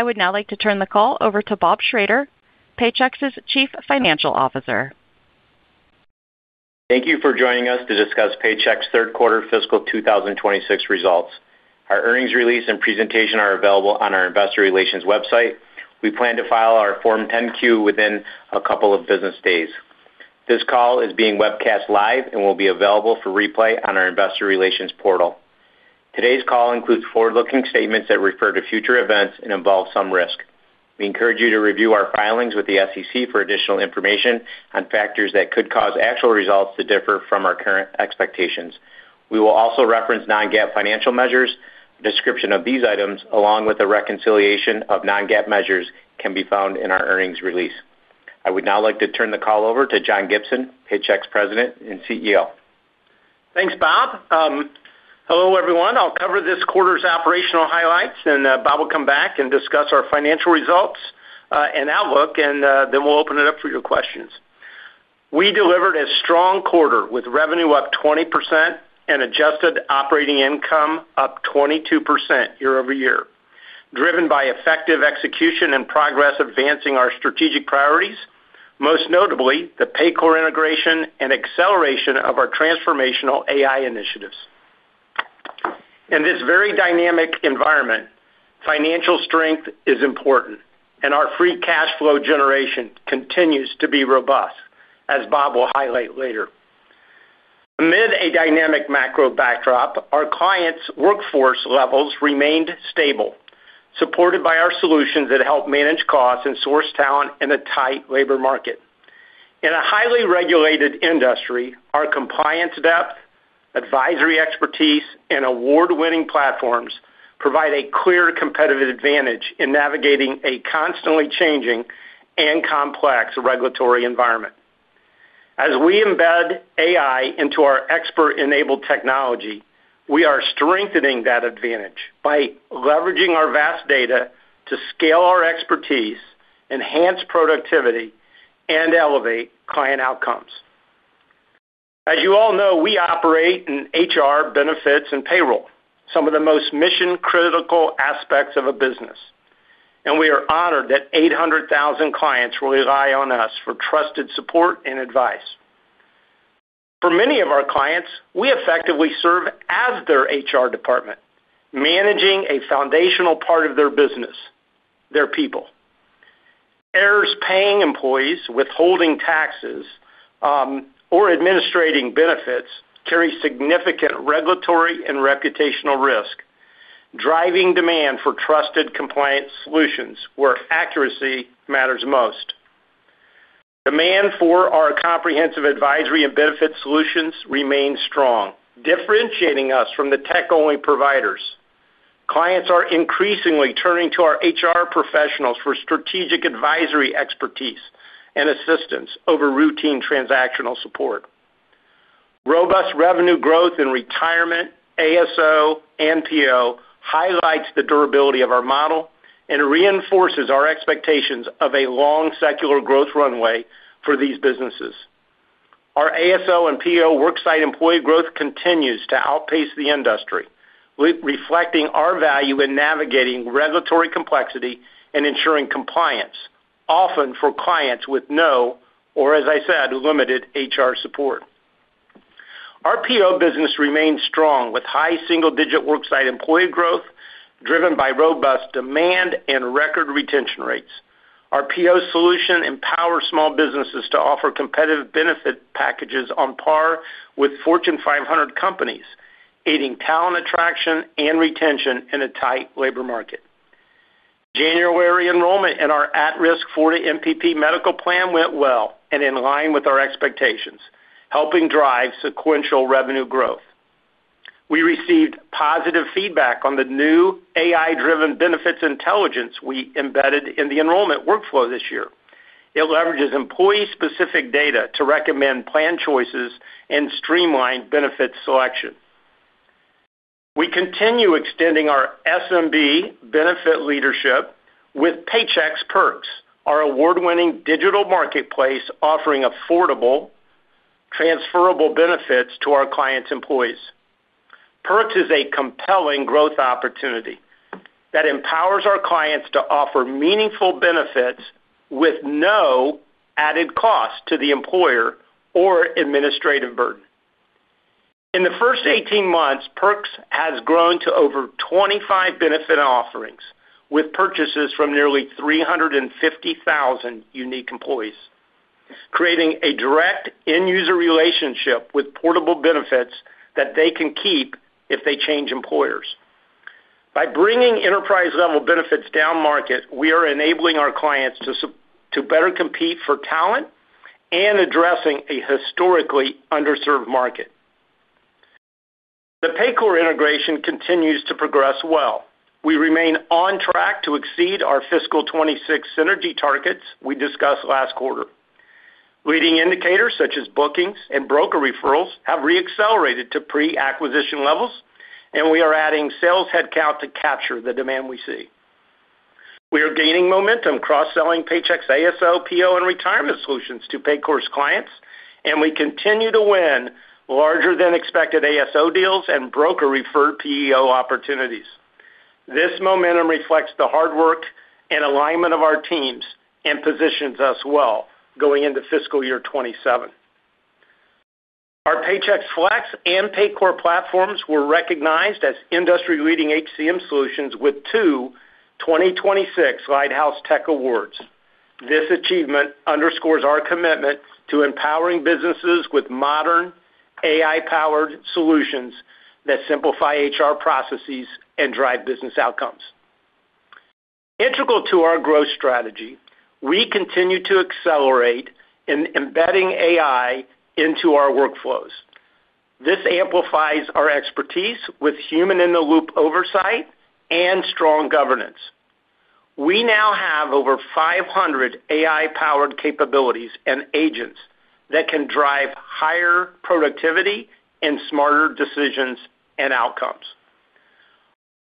I would now like to turn the call over to Bob Schrader, Paychex's Chief Financial Officer. Thank you for joining us to discuss Paychex third quarter fiscal 2026 results. Our earnings release and presentation are available on our investor relations website. We plan to file our Form 10-Q within a couple of business days. This call is being webcast live and will be available for replay on our investor relations portal. Today's call includes forward-looking statements that refer to future events and involve some risk. We encourage you to review our filings with the SEC for additional information on factors that could cause actual results to differ from our current expectations. We will also reference non-GAAP financial measures. Description of these items, along with the reconciliation of non-GAAP measures, can be found in our earnings release. I would now like to turn the call over to John Gibson, Paychex President and CEO. Thanks, Bob. Hello, everyone. I'll cover this quarter's operational highlights, and Bob will come back and discuss our financial results, and outlook, and then we'll open it up for your questions. We delivered a strong quarter with revenue up 20% and adjusted operating income up 22% year-over-year, driven by effective execution and progress advancing our strategic priorities, most notably, the Paycor integration and acceleration of our transformational AI initiatives. In this very dynamic environment, financial strength is important, and our free cash flow generation continues to be robust, as Bob will highlight later. Amid a dynamic macro backdrop, our clients' workforce levels remained stable, supported by our solutions that help manage costs and source talent in a tight labor market. In a highly regulated industry, our compliance depth, advisory expertise, and award-winning platforms provide a clear competitive advantage in navigating a constantly changing and complex regulatory environment. As we embed AI into our expert-enabled technology, we are strengthening that advantage by leveraging our vast data to scale our expertise, enhance productivity, and elevate client outcomes. As you all know, we operate in HR, benefits, and payroll, some of the most mission-critical aspects of a business, and we are honored that 800,000 clients rely on us for trusted support and advice. For many of our clients, we effectively serve as their HR department, managing a foundational part of their business, their people. Errors paying employees, withholding taxes, or administering benefits carry significant regulatory and reputational risk, driving demand for trusted compliance solutions where accuracy matters most. Demand for our comprehensive advisory and benefit solutions remains strong, differentiating us from the tech-only providers. Clients are increasingly turning to our HR professionals for strategic advisory expertise and assistance over routine transactional support. Robust revenue growth in retirement, ASO, and PEO highlights the durability of our model and reinforces our expectations of a long secular growth runway for these businesses. Our ASO and PEO worksite employee growth continues to outpace the industry, reflecting our value in navigating regulatory complexity and ensuring compliance, often for clients with no, or as I said, limited HR support. Our PEO business remains strong, with high single-digit worksite employee growth driven by robust demand and record retention rates. Our PEO solution empowers small businesses to offer competitive benefit packages on par with Fortune 500 companies, aiding talent attraction and retention in a tight labor market. January enrollment in our at-risk 401(k) MEP medical plan went well and in line with our expectations, helping drive sequential revenue growth. We received positive feedback on the new AI-driven benefits intelligence we embedded in the enrollment workflow this year. It leverages employee-specific data to recommend plan choices and streamline benefit selection. We continue extending our SMB benefit leadership with Paychex Perks, our award-winning digital marketplace offering affordable, transferable benefits to our clients' employees. Perks is a compelling growth opportunity that empowers our clients to offer meaningful benefits with no added cost to the employer or administrative burden. In the first 18 months, Perks has grown to over 25 benefit offerings, with purchases from nearly 350,000 unique employees, creating a direct end-user relationship with portable benefits that they can keep if they change employers. By bringing enterprise-level benefits down market, we are enabling our clients to better compete for talent and addressing a historically underserved market. The Paycor integration continues to progress well. We remain on track to exceed our fiscal 2026 synergy targets we discussed last quarter. Leading indicators such as bookings and broker referrals have re-accelerated to pre-acquisition levels, and we are adding sales headcount to capture the demand we see. We are gaining momentum cross-selling Paychex ASO, PEO, and retirement solutions to Paycor's clients. We continue to win larger than expected ASO deals and broker-referred PEO opportunities. This momentum reflects the hard work and alignment of our teams and positions us well going into fiscal year 2027. Our Paychex Flex and Paycor platforms were recognized as industry-leading HCM solutions with two 2026 Lighthouse Tech Awards. This achievement underscores our commitment to empowering businesses with modern AI-powered solutions that simplify HR processes and drive business outcomes. Integral to our growth strategy, we continue to accelerate in embedding AI into our workflows. This amplifies our expertise with human-in-the-loop oversight and strong governance. We now have over 500 AI-powered capabilities and agents that can drive higher productivity and smarter decisions and outcomes.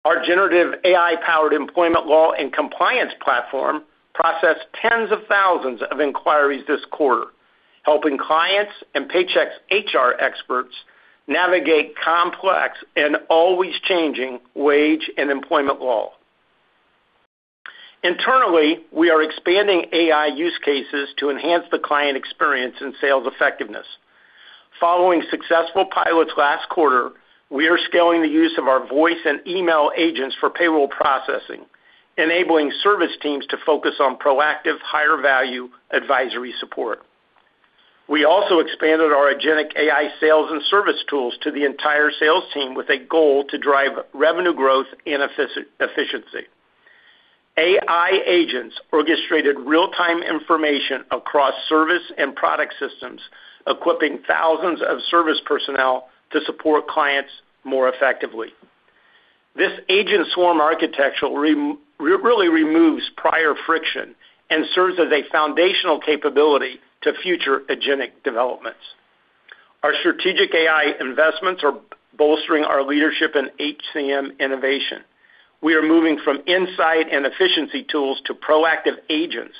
Our generative AI-powered employment law and compliance platform processed tens of thousands of inquiries this quarter, helping clients and Paychex HR experts navigate complex and always changing wage and employment law. Internally, we are expanding AI use cases to enhance the client experience and sales effectiveness. Following successful pilots last quarter, we are scaling the use of our voice and email agents for payroll processing, enabling service teams to focus on proactive, higher value advisory support. We also expanded our agentic AI sales and service tools to the entire sales team with a goal to drive revenue growth and efficiency. AI agents orchestrated real-time information across service and product systems, equipping thousands of service personnel to support clients more effectively. This agent swarm architecture really removes prior friction and serves as a foundational capability to future agentic developments. Our strategic AI investments are bolstering our leadership in HCM innovation. We are moving from insight and efficiency tools to proactive agents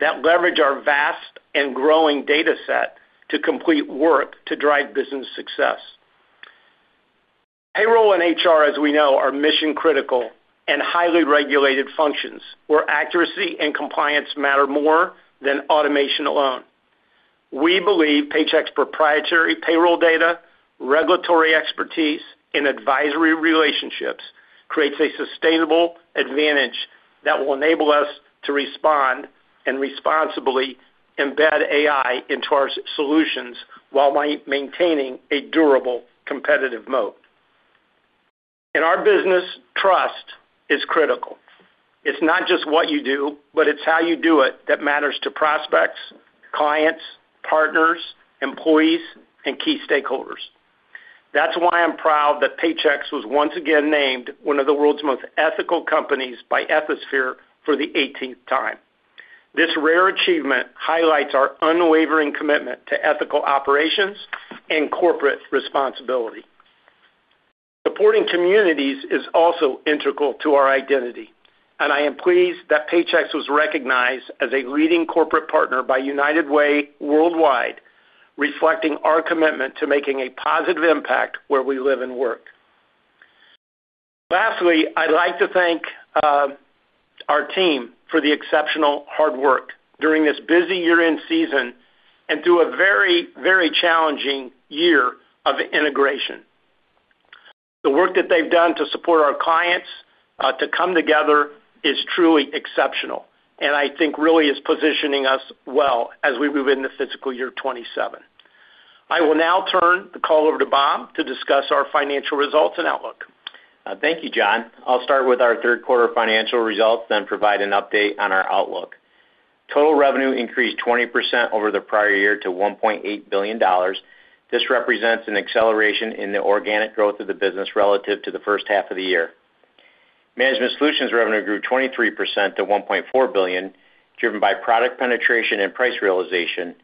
that leverage our vast and growing data set to complete work to drive business success. Payroll and HR, as we know, are mission-critical and highly regulated functions, where accuracy and compliance matter more than automation alone. We believe Paychex's proprietary payroll data, regulatory expertise, and advisory relationships creates a sustainable advantage that will enable us to respond and responsibly embed AI into our solutions while maintaining a durable competitive moat. In our business, trust is critical. It's not just what you do, but it's how you do it that matters to prospects, clients, partners, employees, and key stakeholders. That's why I'm proud that Paychex was once again named one of the world's most ethical companies by Ethisphere for the eighteenth time. This rare achievement highlights our unwavering commitment to ethical operations and corporate responsibility. Supporting communities is also integral to our identity, and I am pleased that Paychex was recognized as a leading corporate partner by United Way Worldwide, reflecting our commitment to making a positive impact where we live and work. Lastly, I'd like to thank our team for the exceptional hard work during this busy year-end season and through a very, very challenging year of integration. The work that they've done to support our clients to come together is truly exceptional, and I think really is positioning us well as we move into fiscal year 2027. I will now turn the call over to Bob to discuss our financial results and outlook. Thank you, John. I'll start with our third quarter financial results, then provide an update on our outlook. Total revenue increased 20% over the prior year to $1.8 billion. This represents an acceleration in the organic growth of the business relative to the first half of the year. Management solutions revenue grew 23% to $1.4 billion, driven by product penetration and price realization.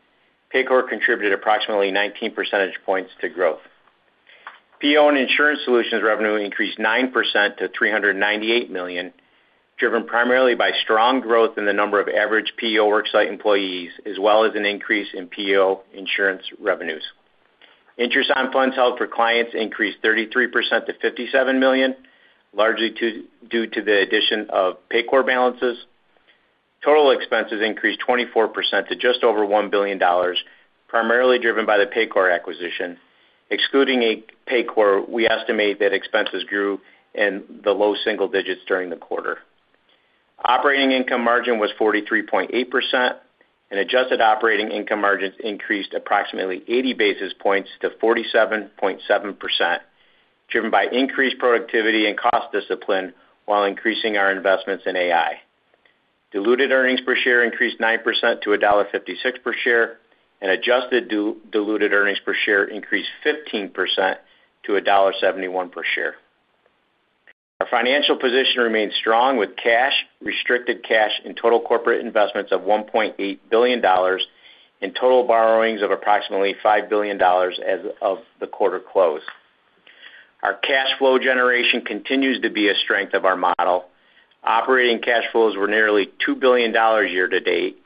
Paycor contributed approximately 19 percentage points to growth. PEO and insurance solutions revenue increased 9% to $398 million, driven primarily by strong growth in the number of average PEO worksite employees, as well as an increase in PEO insurance revenues. Interest on funds held for clients increased 33% to $57 million, largely due to the addition of Paycor balances. Total expenses increased 24% to just over $1 billion, primarily driven by the Paycor acquisition. Excluding Paycor, we estimate that expenses grew in the low single digits during the quarter. Operating income margin was 43.8%, and adjusted operating income margins increased approximately 80 basis points to 47.7%, driven by increased productivity and cost discipline while increasing our investments in AI. Diluted earnings per share increased 9% to $1.56 per share, and adjusted diluted earnings per share increased 15% to $1.71 per share. Our financial position remains strong with cash, restricted cash, and total corporate investments of $1.8 billion and total borrowings of approximately $5 billion as of the quarter close. Our cash flow generation continues to be a strength of our model. Operating cash flows were nearly $2 billion year-to-date,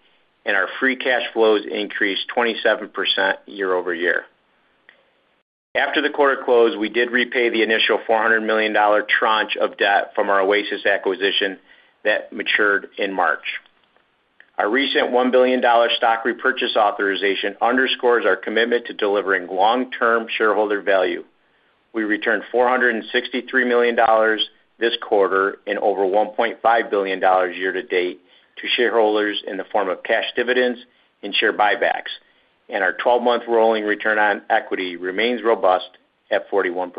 and our free cash flows increased 27% year-over-year. After the quarter close, we did repay the initial $400 million tranche of debt from our Oasis acquisition that matured in March. Our recent $1 billion stock repurchase authorization underscores our commitment to delivering long-term shareholder value. We returned $463 million this quarter and over $1.5 billion year-to-date to shareholders in the form of cash dividends and share buybacks, and our 12-month rolling return on equity remains robust at 41%.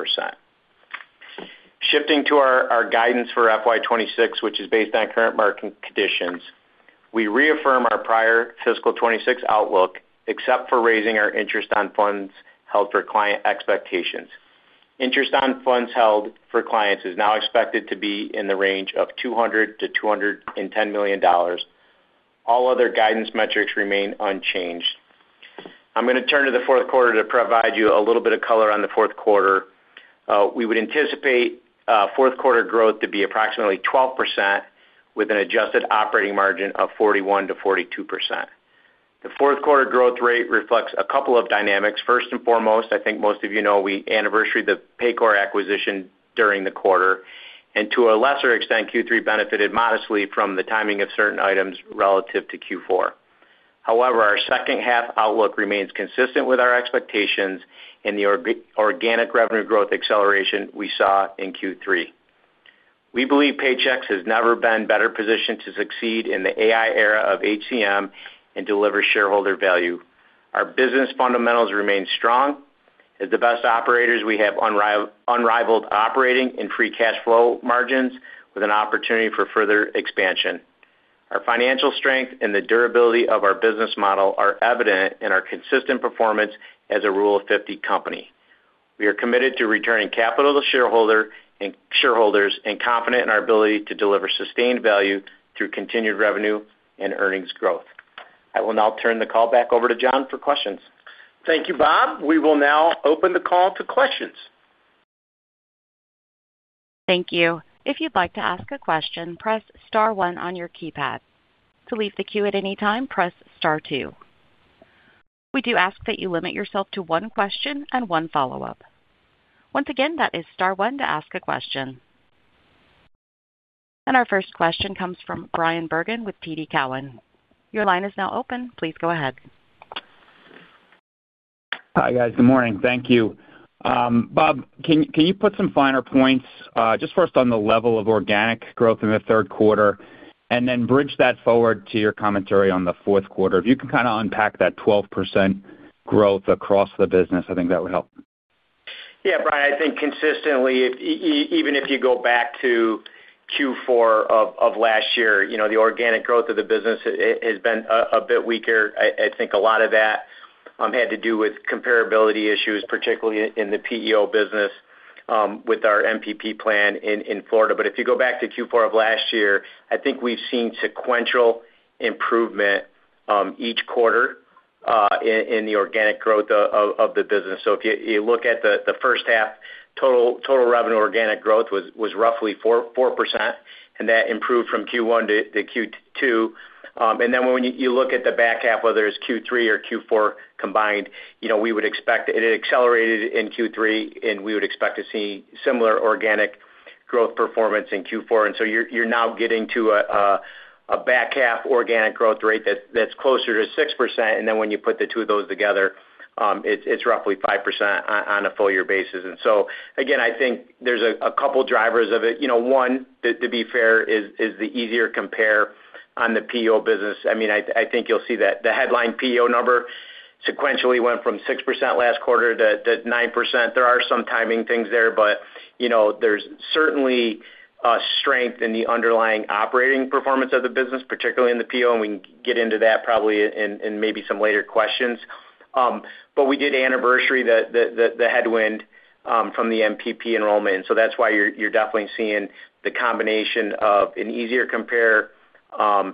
Shifting to our guidance for FY 2026, which is based on current market conditions, we reaffirm our prior fiscal 2026 outlook, except for raising our interest on funds held for client expectations. Interest on funds held for clients is now expected to be in the range of $200 million-$210 million. All other guidance metrics remain unchanged. I'm gonna turn to the fourth quarter to provide you a little bit of color on the fourth quarter. We would anticipate fourth quarter growth to be approximately 12% with an adjusted operating margin of 41%-42%. The fourth quarter growth rate reflects a couple of dynamics. First and foremost, I think most of you know, we anniversaried the Paycor acquisition during the quarter, and to a lesser extent, Q3 benefited modestly from the timing of certain items relative to Q4. However, our second half outlook remains consistent with our expectations in the organic revenue growth acceleration we saw in Q3. We believe Paychex has never been better positioned to succeed in the AI era of HCM and deliver shareholder value. Our business fundamentals remain strong. As the best operators, we have unrivaled operating and free cash flow margins with an opportunity for further expansion. Our financial strength and the durability of our business model are evident in our consistent performance as a Rule of 50 company. We are committed to returning capital to shareholders and confident in our ability to deliver sustained value through continued revenue and earnings growth. I will now turn the call back over to John for questions. Thank you, Bob. We will now open the call to questions. Thank you. If you'd like to ask a question, press star one on your keypad. To leave the queue at any time, press star two. We do ask that you limit yourself to one question and one follow-up. Once again, that is star one to ask a question. Our first question comes from Bryan Bergin with TD Cowen. Your line is now open. Please go ahead. Hi, guys. Good morning. Thank you. Bob, can you put some finer points, just first on the level of organic growth in the third quarter, and then bridge that forward to your commentary on the fourth quarter? If you can kinda unpack that 12% growth across the business, I think that would help. Yeah, Bryan, I think consistently, even if you go back to Q4 of last year, you know, the organic growth of the business has been a bit weaker. I think a lot of that had to do with comparability issues, particularly in the PEO business, with our MEP plan in Florida. If you go back to Q4 of last year, I think we've seen sequential improvement each quarter in the organic growth of the business. If you look at the first half, total revenue organic growth was roughly 4%, and that improved from Q1 to Q2. When you look at the back half, whether it's Q3 or Q4 combined, you know, we would expect... It accelerated in Q3, and we would expect to see similar organic growth performance in Q4. You're now getting to a back half organic growth rate that's closer to 6%, and then when you put the two of those together, it's roughly 5% on a full year basis. I think there's a couple drivers of it. You know, one, to be fair, is the easier compare on the PEO business. I mean, I think you'll see that the headline PEO number sequentially went from 6% last quarter to 9%. There are some timing things there, but, you know, there's certainly a strength in the underlying operating performance of the business, particularly in the PEO, and we can get into that probably in maybe some later questions. We anniversaried the headwind from the MEP enrollment, so that's why you're definitely seeing the combination of an easier compare,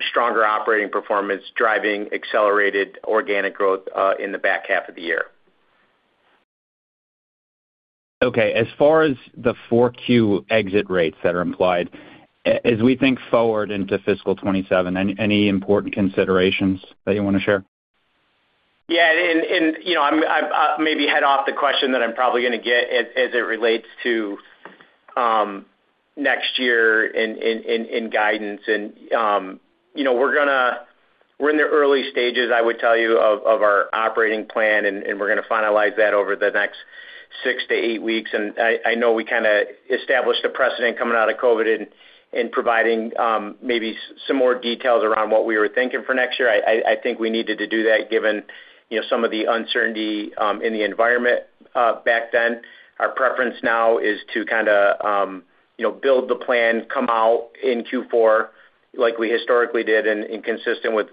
stronger operating performance driving accelerated organic growth in the back half of the year. Okay. As far as the 4Q exit rates that are implied, as we think forward into fiscal 2027, any important considerations that you wanna share? Yeah, you know, I'm going to head off the question that I'm probably going to get as it relates to next year in guidance. You know, we're in the early stages, I would tell you, of our operating plan, and we're going to finalize that over the next 6-8 weeks. I think we kind of established a precedent coming out of COVID in providing some more details around what we were thinking for next year. I think we needed to do that given, you know, some of the uncertainty in the environment back then. Our preference now is to kinda you know build the plan, come out in Q4 like we historically did and consistent with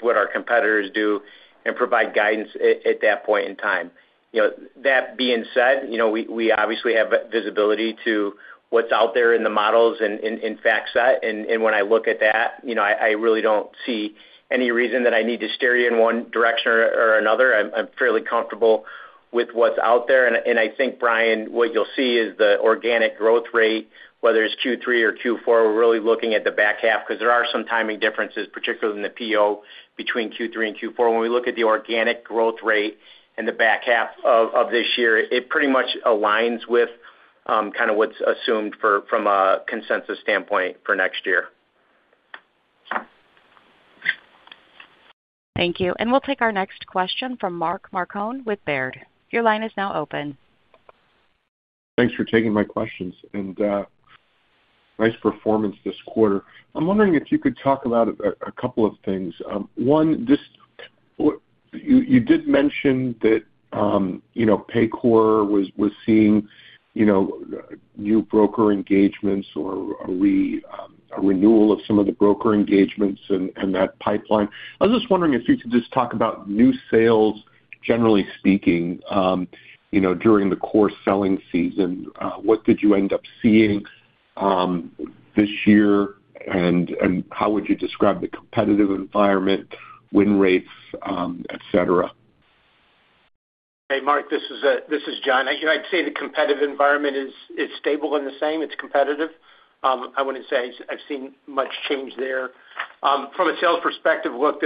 what our competitors do and provide guidance at that point in time. You know that being said you know we obviously have visibility to what's out there in the models and fact set. When I look at that you know I really don't see any reason that I need to steer you in one direction or another. I'm fairly comfortable. With what's out there. I think, Bryan, what you'll see is the organic growth rate, whether it's Q3 or Q4, we're really looking at the back half because there are some timing differences, particularly in the PEO between Q3 and Q4. When we look at the organic growth rate in the back half of this year, it pretty much aligns with kind of what's assumed from a consensus standpoint for next year. Thank you. We'll take our next question from Mark Marcon with Baird. Your line is now open. Thanks for taking my questions. Nice performance this quarter. I'm wondering if you could talk about a couple of things. One, just what you did mention that, you know, Paycor was seeing, you know, new broker engagements or a renewal of some of the broker engagements and that pipeline. I was just wondering if you could just talk about new sales, generally speaking, you know, during the core selling season, what did you end up seeing, this year, and how would you describe the competitive environment, win rates, et cetera? Hey, Mark, this is John. I'd say the competitive environment is stable and the same, it's competitive. I wouldn't say I've seen much change there. From a sales perspective, look,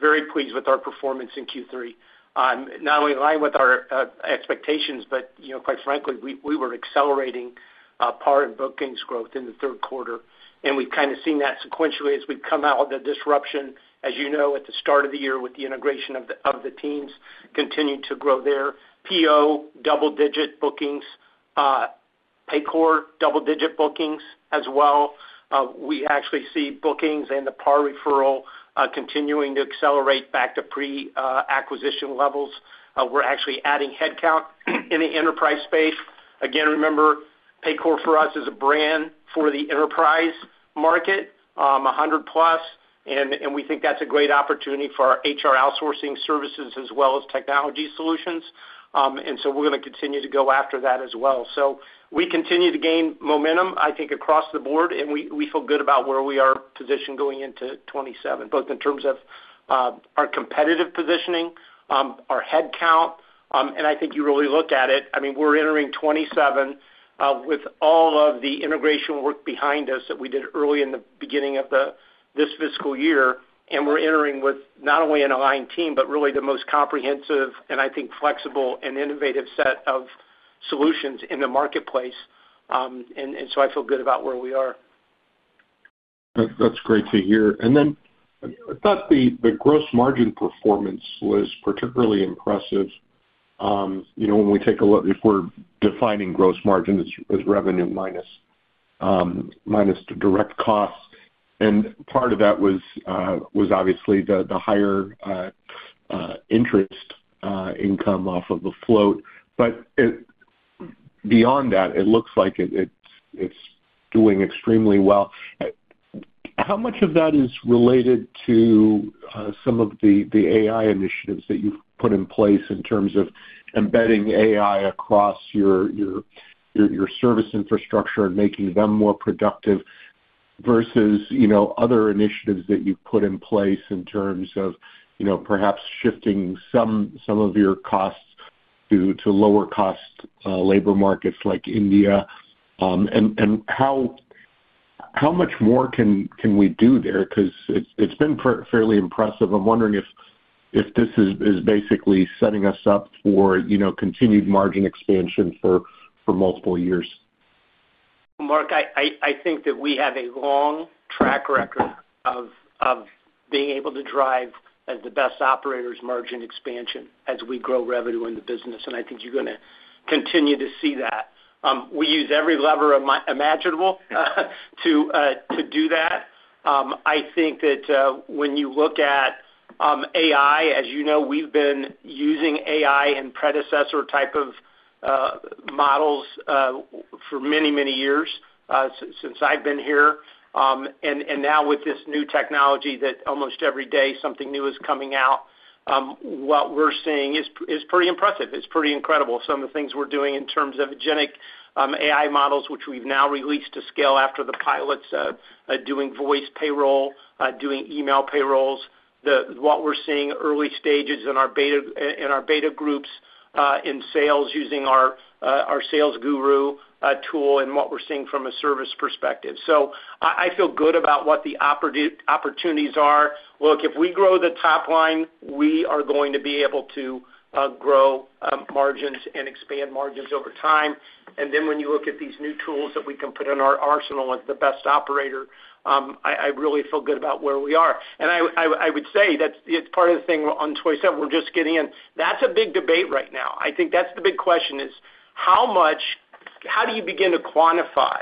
very pleased with our performance in Q3. Not only in line with our expectations, but you know, quite frankly, we were accelerating Paycor and bookings growth in the third quarter, and we've kind of seen that sequentially as we've come out of the disruption, as you know, at the start of the year with the integration of the teams continuing to grow there. PEO, double-digit bookings, Paycor, double-digit bookings as well. We actually see bookings and the Paycor referral continuing to accelerate back to pre-acquisition levels. We're actually adding headcount in the enterprise space. Again, remember, Paycor for us is a brand for the enterprise market, 100+, and we think that's a great opportunity for our HR outsourcing services as well as technology solutions. We're gonna continue to go after that as well. We continue to gain momentum, I think, across the board, and we feel good about where we are positioned going into 2027, both in terms of our competitive positioning, our headcount, and I think you really look at it. I mean, we're entering 2027 with all of the integration work behind us that we did early in the beginning of this fiscal year, and we're entering with not only an aligned team, but really the most comprehensive and I think flexible and innovative set of solutions in the marketplace. I feel good about where we are. That's great to hear. Then I thought the gross margin performance was particularly impressive. You know, when we take a look, if we're defining gross margin as revenue minus direct costs, and part of that was obviously the higher interest income off of the float. Beyond that, it looks like it's doing extremely well. How much of that is related to some of the AI initiatives that you've put in place in terms of embedding AI across your service infrastructure and making them more productive versus, you know, other initiatives that you've put in place in terms of, you know, perhaps shifting some of your costs to lower cost labor markets like India? And how much more can we do there? Cause it's been fairly impressive. I'm wondering if this is basically setting us up for, you know, continued margin expansion for multiple years. Mark, I think that we have a long track record of being able to drive as the best operators margin expansion as we grow revenue in the business, and I think you're gonna continue to see that. We use every lever imaginable to do that. I think that when you look at AI, as you know, we've been using AI and predecessor type of models for many, many years since I've been here. Now with this new technology that almost every day something new is coming out, what we're seeing is pretty impressive. It's pretty incredible. Some of the things we're doing in terms of agentic AI models, which we've now released to scale after the pilots, doing voice payroll, doing email payrolls. What we're seeing early stages in our beta, in our beta groups, in sales using our Sales Guru tool and what we're seeing from a service perspective. I feel good about what the opportunities are. Look, if we grow the top line, we are going to be able to grow margins and expand margins over time. Then when you look at these new tools that we can put in our arsenal as the best operator, I really feel good about where we are. I would say that it's part of the thing on 2027 we're just getting in. That's a big debate right now. I think that's the big question, how do you begin to quantify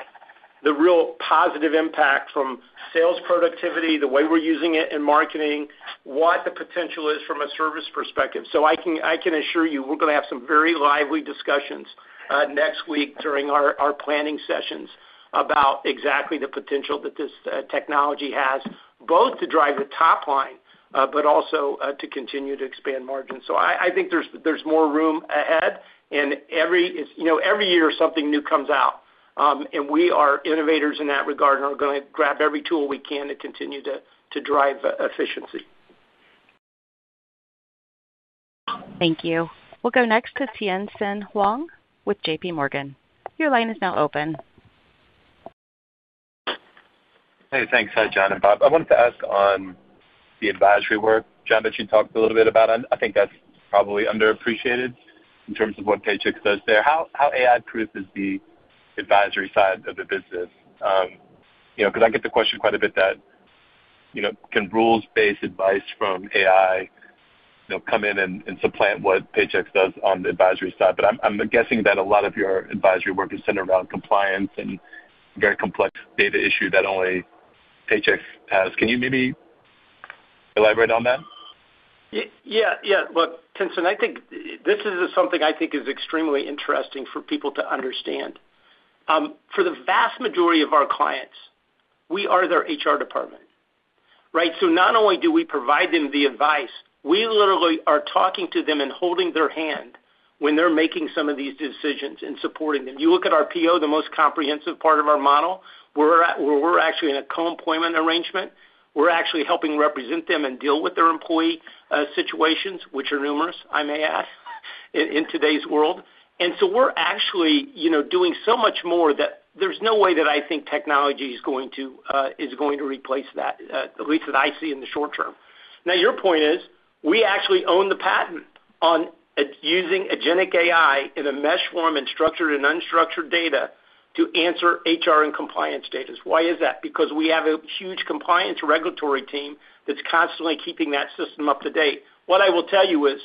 the real positive impact from sales productivity, the way we're using it in marketing, what the potential is from a service perspective. I can assure you, we're gonna have some very lively discussions next week during our planning sessions about exactly the potential that this technology has, both to drive the top line but also to continue to expand margins. I think there's more room ahead, and you know, every year something new comes out. We are innovators in that regard and are gonna grab every tool we can to continue to drive efficiency. Thank you. We'll go next to Tien-Tsin Huang with JPMorgan. Your line is now open. Hey, thanks. Hi, John and Bob. I wanted to ask on the advisory work, John, that you talked a little bit about, and I think that's probably underappreciated in terms of what Paychex does there. How AI-proof is the advisory side of the business? You know, 'cause I get the question quite a bit that, you know, can rules-based advice from AI, you know, come in and supplant what Paychex does on the advisory side? But I'm guessing that a lot of your advisory work is centered around compliance and very complex data issue that only Paychex has. Can you maybe elaborate on that? Look, Tien-Tsin, I think this is something I think is extremely interesting for people to understand. For the vast majority of our clients, we are their HR department, right? Not only do we provide them the advice, we literally are talking to them and holding their hand when they're making some of these decisions and supporting them. You look at our PEO, the most comprehensive part of our model, where we're actually in a co-employment arrangement. We're actually helping represent them and deal with their employee situations, which are numerous, I may add, in today's world. We're actually, you know, doing so much more that there's no way that I think technology is going to replace that, at least that I see in the short term. Now, your point is, we actually own the patent on using agentic AI in a mesh form and structured and unstructured data to answer HR and compliance data. Why is that? Because we have a huge compliance regulatory team that's constantly keeping that system up to date. What I will tell you is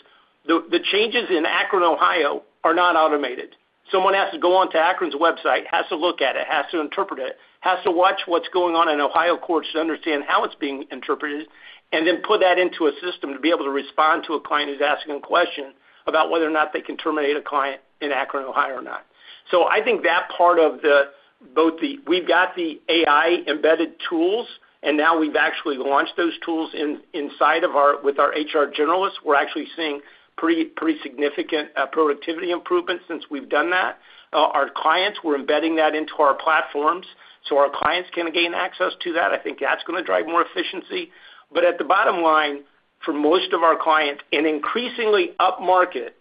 the changes in Akron, Ohio, are not automated. Someone has to go onto Akron's website, has to look at it, has to interpret it, has to watch what's going on in Ohio courts to understand how it's being interpreted, and then put that into a system to be able to respond to a client who's asking a question about whether or not they can terminate an employee in Akron, Ohio, or not. I think that part of the both the. We've got the AI-embedded tools, and now we've actually launched those tools inside with our HR generalists. We're actually seeing pretty significant productivity improvements since we've done that. Our clients, we're embedding that into our platforms, so our clients can gain access to that. I think that's gonna drive more efficiency. At the bottom line, for most of our clients, and increasingly upmarket,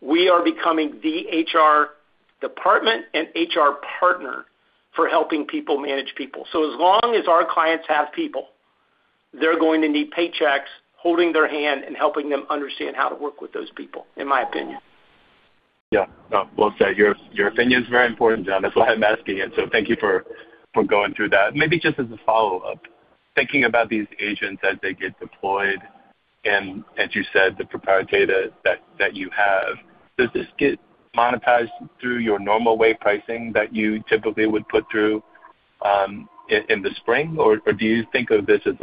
we are becoming the HR department and HR partner for helping people manage people. As long as our clients have people, they're going to need Paychex holding their hand and helping them understand how to work with those people, in my opinion. Yeah. No. Well said. Your opinion is very important, John. That's why I'm asking it, so thank you for going through that. Maybe just as a follow-up, thinking about these agents as they get deployed and, as you said, the proprietary data that you have, does this get monetized through your normal way pricing that you typically would put through in the spring? Or do you think of this as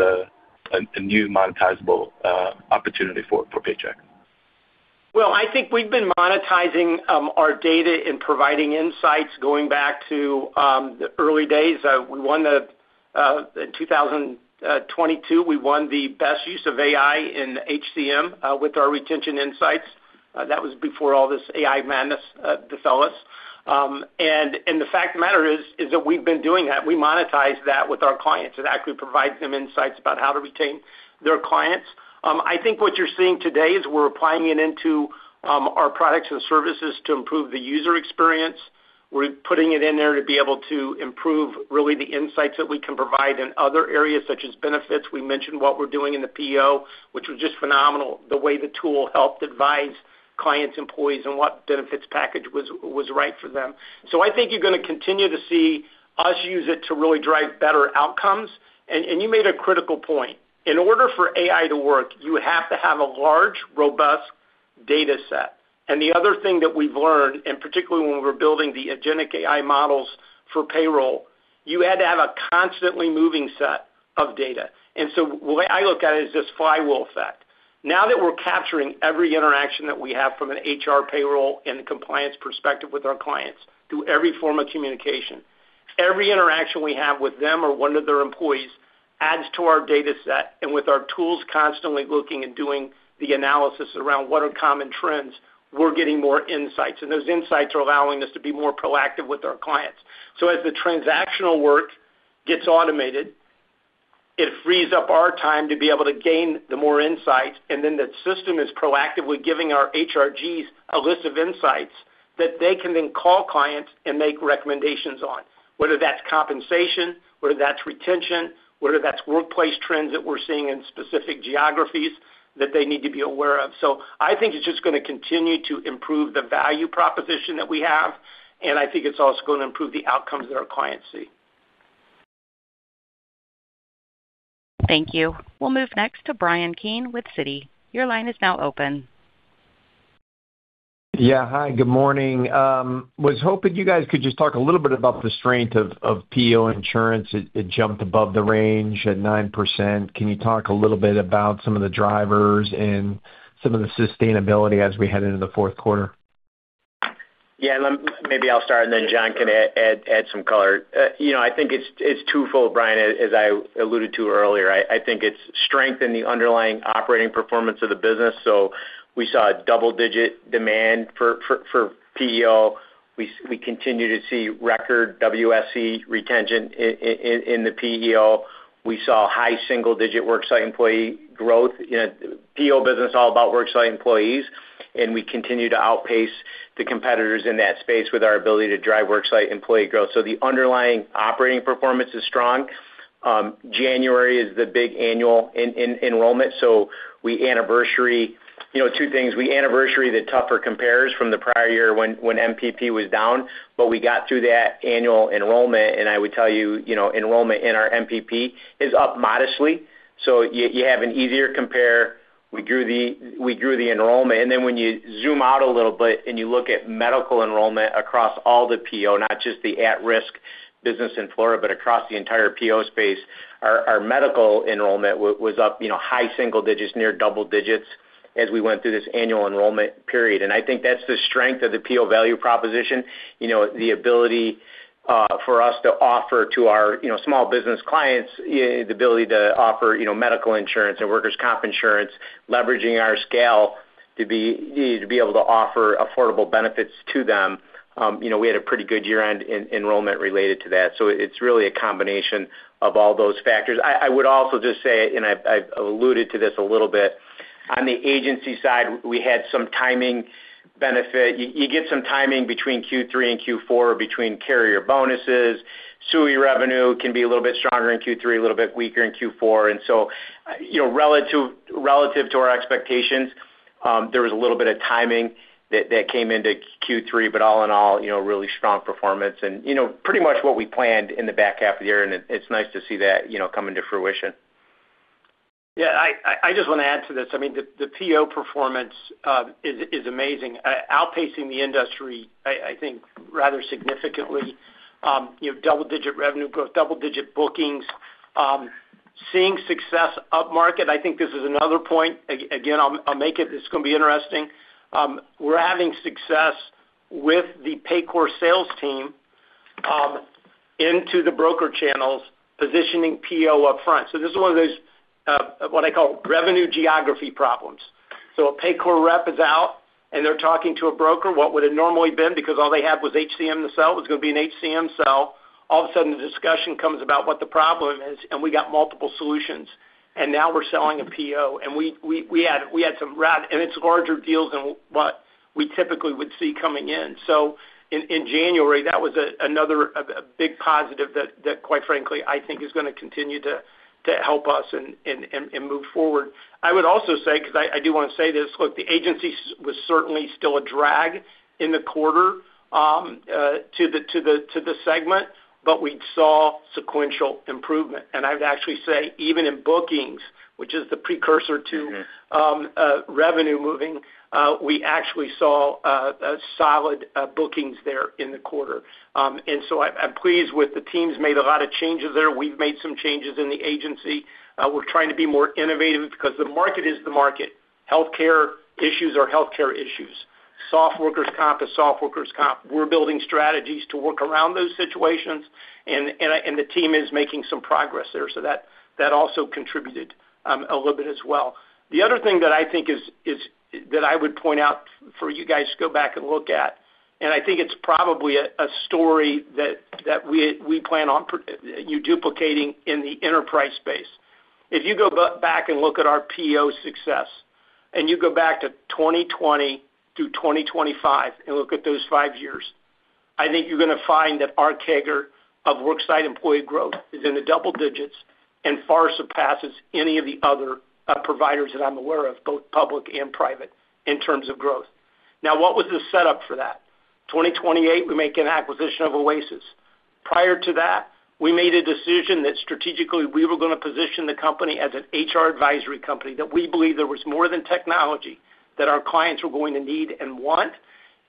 a new monetizable opportunity for Paychex? Well, I think we've been monetizing our data and providing insights going back to the early days. We won the Best Use of AI in HCM in 2022 with our retention insights. That was before all this AI madness befell us. The fact of the matter is that we've been doing that. We monetize that with our clients. It actually provides them insights about how to retain their clients. I think what you're seeing today is we're applying it into our products and services to improve the user experience. We're putting it in there to be able to improve really the insights that we can provide in other areas, such as benefits. We mentioned what we're doing in the PEO, which was just phenomenal, the way the tool helped advise clients, employees on what benefits package was right for them. I think you're gonna continue to see us use it to really drive better outcomes. You made a critical point. In order for AI to work, you have to have a large, robust data set. The other thing that we've learned, and particularly when we're building the agentic AI models for payroll, you had to have a constantly moving set of data. The way I look at it is this flywheel effect. Now that we're capturing every interaction that we have from an HR payroll and compliance perspective with our clients through every form of communication, every interaction we have with them or one of their employees adds to our data set, and with our tools constantly looking and doing the analysis around what are common trends, we're getting more insights, and those insights are allowing us to be more proactive with our clients. As the transactional work gets automated, it frees up our time to be able to gain more insights, and then the system is proactively giving our HRGs a list of insights that they can then call clients and make recommendations on, whether that's compensation, whether that's retention, whether that's workplace trends that we're seeing in specific geographies that they need to be aware of. I think it's just gonna continue to improve the value proposition that we have, and I think it's also gonna improve the outcomes that our clients see. Thank you. We'll move next to Bryan Keane with Citi. Your line is now open. Yeah. Hi, good morning. Was hoping you guys could just talk a little bit about the strength of PEO insurance. It jumped above the range at 9%. Can you talk a little bit about some of the drivers and some of the sustainability as we head into the fourth quarter? Let me start, and then John can add some color. You know, I think it's twofold, Bryan, as I alluded to earlier. I think it's strength in the underlying operating performance of the business. We saw double-digit demand for PEO. We continue to see record WSE retention in the PEO. We saw high single digit worksite employee growth. You know, PEO business is all about worksite employees, and we continue to outpace the competitors in that space with our ability to drive worksite employee growth. The underlying operating performance is strong. January is the big annual enrollment, so we anniversary the tougher compares from the prior year when MEP was down, but we got through that annual enrollment, and I would tell you know, enrollment in our MEP is up modestly. You have an easier compare. We grew the enrollment. When you zoom out a little bit and you look at medical enrollment across all the PEO, not just the at-risk business in Florida, but across the entire PEO space, our medical enrollment was up, you know, high single digits, near double digits as we went through this annual enrollment period. I think that's the strength of the PEO value proposition, you know, the ability for us to offer to our, you know, small business clients, the ability to offer, you know, medical insurance and workers' comp insurance, leveraging our scale to be able to offer affordable benefits to them. You know, we had a pretty good year-end enrollment related to that. It's really a combination of all those factors. I would also just say, and I've alluded to this a little bit, on the agency side, we had some timing benefit. You get some timing between Q3 and Q4 between carrier bonuses. SUI revenue can be a little bit stronger in Q3, a little bit weaker in Q4. You know, relative to our expectations, there was a little bit of timing that came into Q3. All in all, you know, really strong performance and, you know, pretty much what we planned in the back half of the year, and it's nice to see that, you know, coming to fruition. I just want to add to this. I mean, the PEO performance is amazing. Outpacing the industry, I think rather significantly. You have double digit revenue growth, double digit bookings. Seeing success upmarket, I think this is another point. Again, I'll make it's gonna be interesting. We're having success with the Paycor sales team into the broker channels, positioning PEO upfront. This is one of those, what I call revenue geography problems. A Paycor rep is out, and they're talking to a broker, what would have normally been, because all they had was HCM to sell, it was gonna be an HCM sell. All of a sudden, the discussion comes about what the problem is, and we got multiple solutions, and now we're selling a PEO. We had some and it's larger deals than what we typically would see coming in. In January, that was another a big positive that quite frankly I think is gonna continue to help us and move forward. I would also say, because I do want to say this, look, the agency was certainly still a drag in the quarter to the segment, but we saw sequential improvement. I would actually say, even in bookings, which is the precursor to- Mm-hmm. Revenue moving, we actually saw solid bookings there in the quarter. I'm pleased with the teams made a lot of changes there. We've made some changes in the agency. We're trying to be more innovative because the market is the market. Healthcare issues are healthcare issues. Soft workers' comp is soft workers' comp. We're building strategies to work around those situations, and the team is making some progress there. That also contributed a little bit as well. The other thing that I think is that I would point out for you guys to go back and look at, and I think it's probably a story that we plan on duplicating in the enterprise space. If you go back and look at our PEO success, and you go back to 2020 through 2025 and look at those five years, I think you're gonna find that our CAGR of worksite employee growth is in the double digits and far surpasses any of the other providers that I'm aware of, both public and private, in terms of growth. Now, what was the setup for that? 2018, we make an acquisition of Oasis. Prior to that, we made a decision that strategically, we were gonna position the company as an HR advisory company, that we believe there was more than technology that our clients were going to need and want,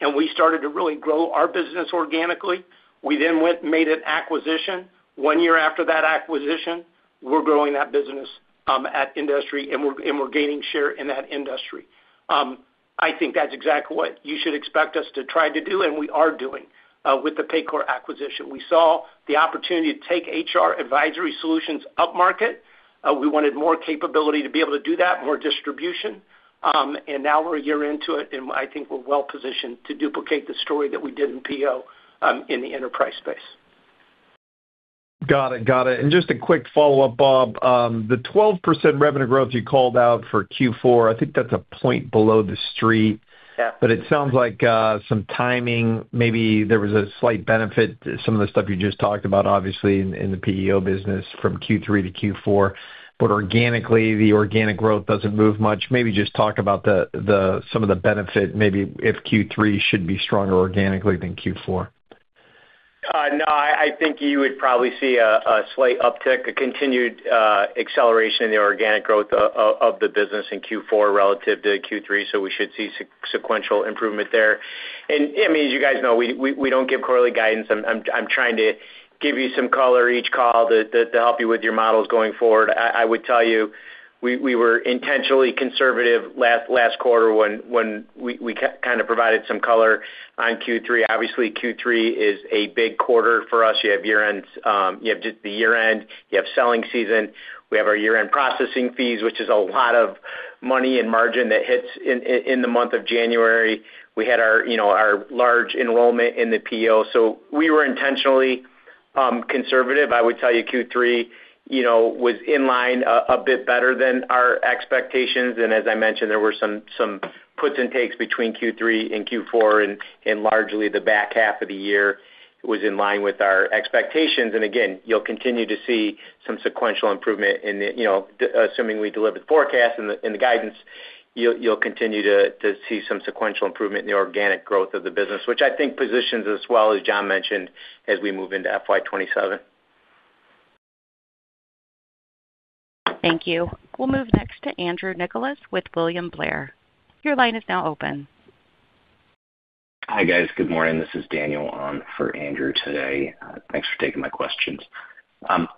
and we started to really grow our business organically. We went and made an acquisition. One year after that acquisition, we're growing that business at industry, and we're gaining share in that industry. I think that's exactly what you should expect us to try to do, and we are doing with the Paycor acquisition. We saw the opportunity to take HR advisory solutions upmarket. We wanted more capability to be able to do that, more distribution. Now we're a year into it, and I think we're well positioned to duplicate the story that we did in PEO in the enterprise space. Got it. Just a quick follow-up, Bob. The 12% revenue growth you called out for Q4, I think that's a point below the street. Yeah. It sounds like some timing, maybe there was a slight benefit, some of the stuff you just talked about, obviously in the PEO business from Q3 to Q4. Organically, the organic growth doesn't move much. Maybe just talk about some of the benefit, maybe if Q3 should be stronger organically than Q4. No, I think you would probably see a slight uptick, a continued acceleration in the organic growth of the business in Q4 relative to Q3, so we should see sequential improvement there. I mean, as you guys know, we don't give quarterly guidance. I'm trying to give you some color each call to help you with your models going forward. I would tell you, we were intentionally conservative last quarter when we kind of provided some color on Q3. Obviously, Q3 is a big quarter for us. You have year-ends, you have just the year-end, you have selling season. We have our year-end processing fees, which is a lot of money and margin that hits in the month of January. We had our you know large enrollment in the PEO. We were intentionally conservative. I would tell you Q3, you know, was in line a bit better than our expectations. As I mentioned, there were some puts and takes between Q3 and Q4, and largely the back half of the year was in line with our expectations. Again, you'll continue to see some sequential improvement, you know, assuming we deliver the forecast and the guidance, in the organic growth of the business, which I think positions us well, as John mentioned, as we move into FY 2027. Thank you. We'll move next to Andrew Nicholas with William Blair. Your line is now open. Hi, guys. Good morning. This is Daniel on for Andrew today. Thanks for taking my questions.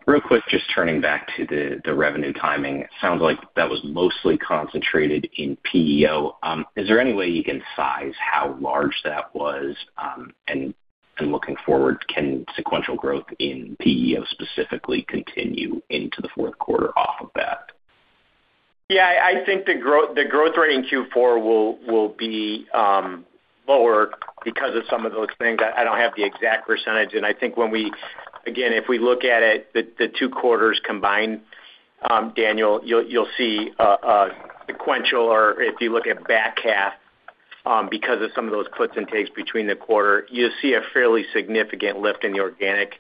Real quick, just turning back to the revenue timing, it sounds like that was mostly concentrated in PEO. Is there any way you can size how large that was? And looking forward, can sequential growth in PEO specifically continue into the fourth quarter off of that? Yeah, I think the growth rate in Q4 will be lower because of some of those things. I don't have the exact percentage. I think when we again, if we look at it, the two quarters combined, Daniel, you'll see a sequential or if you look at back half, because of some of those puts and takes between the quarter, you'll see a fairly significant lift in the organic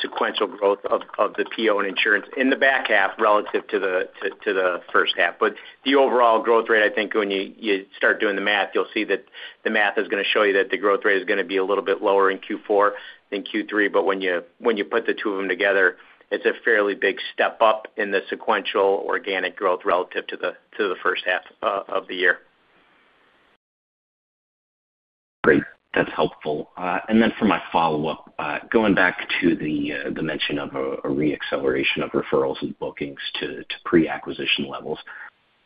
sequential growth of the PEO and insurance in the back half relative to the first half. The overall growth rate, I think when you start doing the math, you'll see that the math is gonna show you that the growth rate is gonna be a little bit lower in Q4 than Q3. When you put the two of them together, it's a fairly big step up in the sequential organic growth relative to the first half of the year. Great. That's helpful. For my follow-up, going back to the mention of a reacceleration of referrals and bookings to pre-acquisition levels.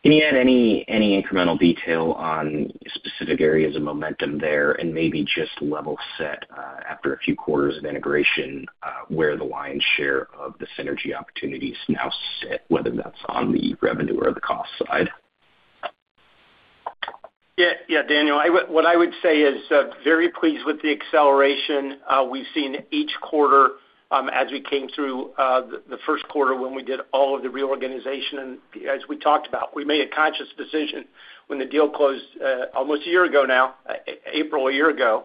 Can you add any incremental detail on specific areas of momentum there and maybe just level set, after a few quarters of integration, where the lion's share of the synergy opportunities now sit, whether that's on the revenue or the cost side? Yeah. Yeah, Daniel, what I would say is very pleased with the acceleration we've seen each quarter as we came through the first quarter when we did all of the reorganization. As we talked about, we made a conscious decision when the deal closed almost a year ago now, April a year ago,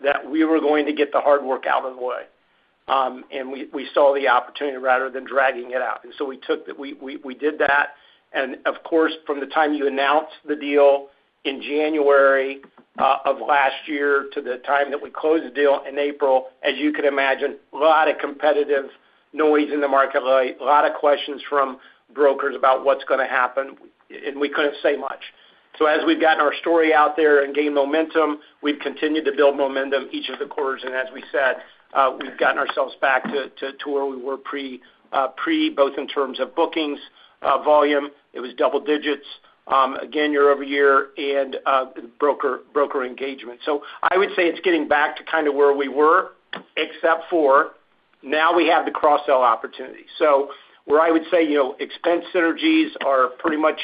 that we were going to get the hard work out of the way. We saw the opportunity rather than dragging it out. We did that. From the time you announced the deal in January of last year to the time that we closed the deal in April, as you can imagine, a lot of competitive noise in the marketplace, a lot of questions from brokers about what's gonna happen, and we couldn't say much. We've gotten our story out there and gained momentum, we've continued to build momentum each of the quarters. As we said, we've gotten ourselves back to where we were pre both in terms of bookings volume, it was double digits again year-over-year and broker engagement. I would say it's getting back to kind of where we were, except for now we have the cross-sell opportunity. Where I would say, you know, expense synergies are pretty much,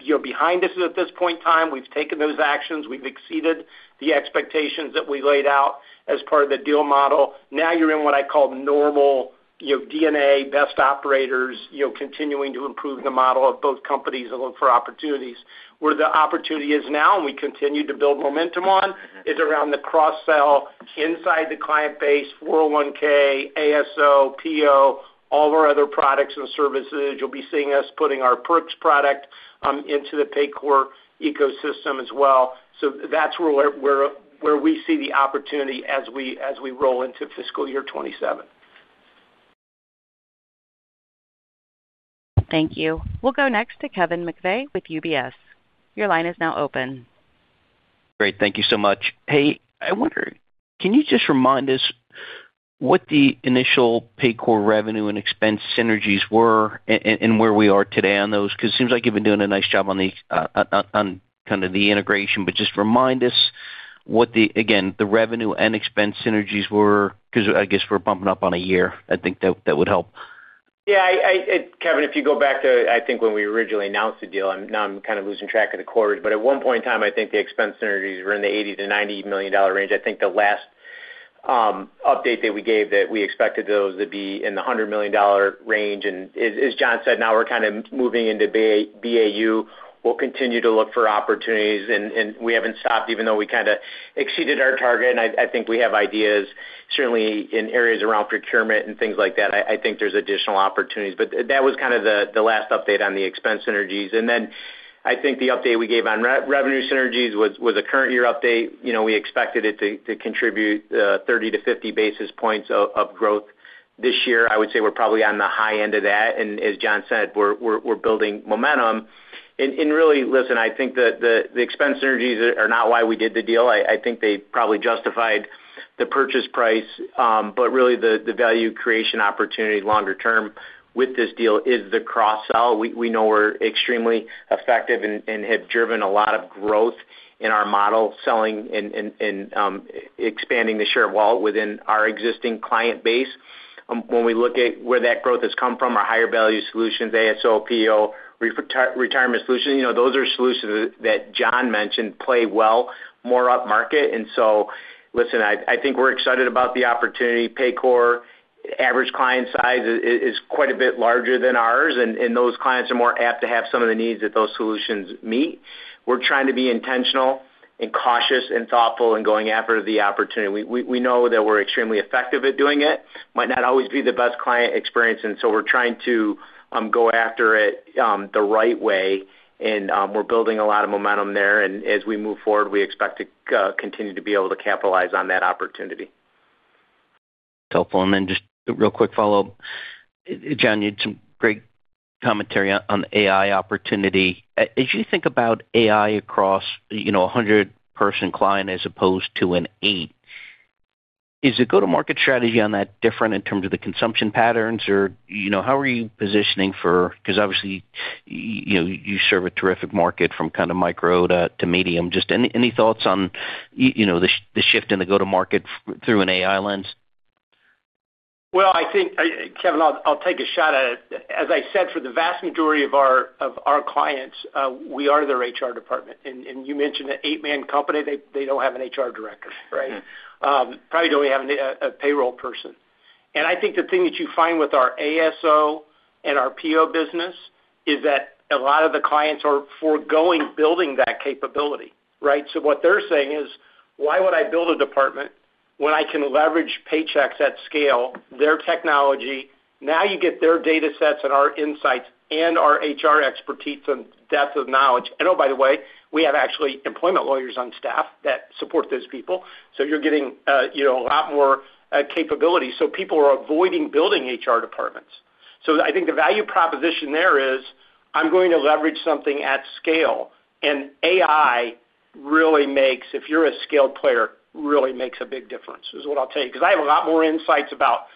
you know, behind us at this point in time. We've taken those actions. We've exceeded the expectations that we laid out as part of the deal model. Now you're in what I call normal, you know, DNA best operators, you know, continuing to improve the model of both companies and look for opportunities. Where the opportunity is now, and we continue to build momentum on, is around the cross-sell inside the client base, 401(k), ASO, PEO, all of our other products and services. You'll be seeing us putting our perks product into the Paycor ecosystem as well. That's where we see the opportunity as we roll into fiscal year 2027. Thank you. We'll go next to Kevin McVeigh with UBS. Your line is now open. Great. Thank you so much. Hey, I wonder, can you just remind us what the initial Paycor revenue and expense synergies were and where we are today on those? 'Cause it seems like you've been doing a nice job on the kind of the integration. Just remind us what the, again, the revenue and expense synergies were, 'cause I guess we're bumping up on a year. I think that would help. Yeah, Kevin, if you go back to, I think when we originally announced the deal, now I'm kind of losing track of the quarters, but at one point in time, I think the expense synergies were in the $80 million-$90 million range. I think the last update that we gave that we expected those to be in the $100 million range. As John said, now we're kind of moving into BAU. We'll continue to look for opportunities, and we haven't stopped even though we kinda exceeded our target. I think we have ideas certainly in areas around procurement and things like that. I think there's additional opportunities. But that was kind of the last update on the expense synergies. Then I think the update we gave on revenue synergies was a current year update. You know, we expected it to contribute 30-50 basis points of growth this year. I would say we're probably on the high end of that. As John said, we're building momentum. Really, listen, I think the expense synergies are not why we did the deal. I think they probably justified the purchase price. But really the value creation opportunity longer term with this deal is the cross-sell. We know we're extremely effective and have driven a lot of growth in our model selling and expanding the share of wallet within our existing client base. When we look at where that growth has come from, our higher value solutions, ASO, PEO, retirement solutions, you know, those are solutions that John mentioned play well more upmarket. Listen, I think we're excited about the opportunity. Paycor average client size is quite a bit larger than ours, and those clients are more apt to have some of the needs that those solutions meet. We're trying to be intentional and cautious and thoughtful in going after the opportunity. We know that we're extremely effective at doing it. Might not always be the best client experience, and so we're trying to go after it the right way, and we're building a lot of momentum there. As we move forward, we expect to continue to be able to capitalize on that opportunity. Helpful. Then just a real quick follow-up. John, you had some great commentary on the AI opportunity. As you think about AI across, you know, a 100-person client as opposed to an 8, is the go-to-market strategy on that different in terms of the consumption patterns or, you know, how are you positioning for 'cause, obviously, you serve a terrific market from kinda micro to medium. Just any thoughts on, you know, the shift in the go-to-market through an AI lens? Well, I think, Kevin, I'll take a shot at it. As I said, for the vast majority of our clients, we are their HR department. You mentioned an eight-man company. They don't have an HR director, right? Mm-hmm. Probably don't have any payroll person. I think the thing that you find with our ASO and our PEO business is that a lot of the clients are foregoing building that capability, right? What they're saying is, "Why would I build a department when I can leverage Paychex at scale, their technology?" Now you get their datasets and our insights and our HR expertise and depth of knowledge. Oh, by the way, we have actually employment lawyers on staff that support those people, so you're getting, you know, a lot more capability. People are avoiding building HR departments. I think the value proposition there is I'm going to leverage something at scale, and AI really makes, if you're a scaled player, really makes a big difference, is what I'll tell you. 'Cause I have a lot more insights about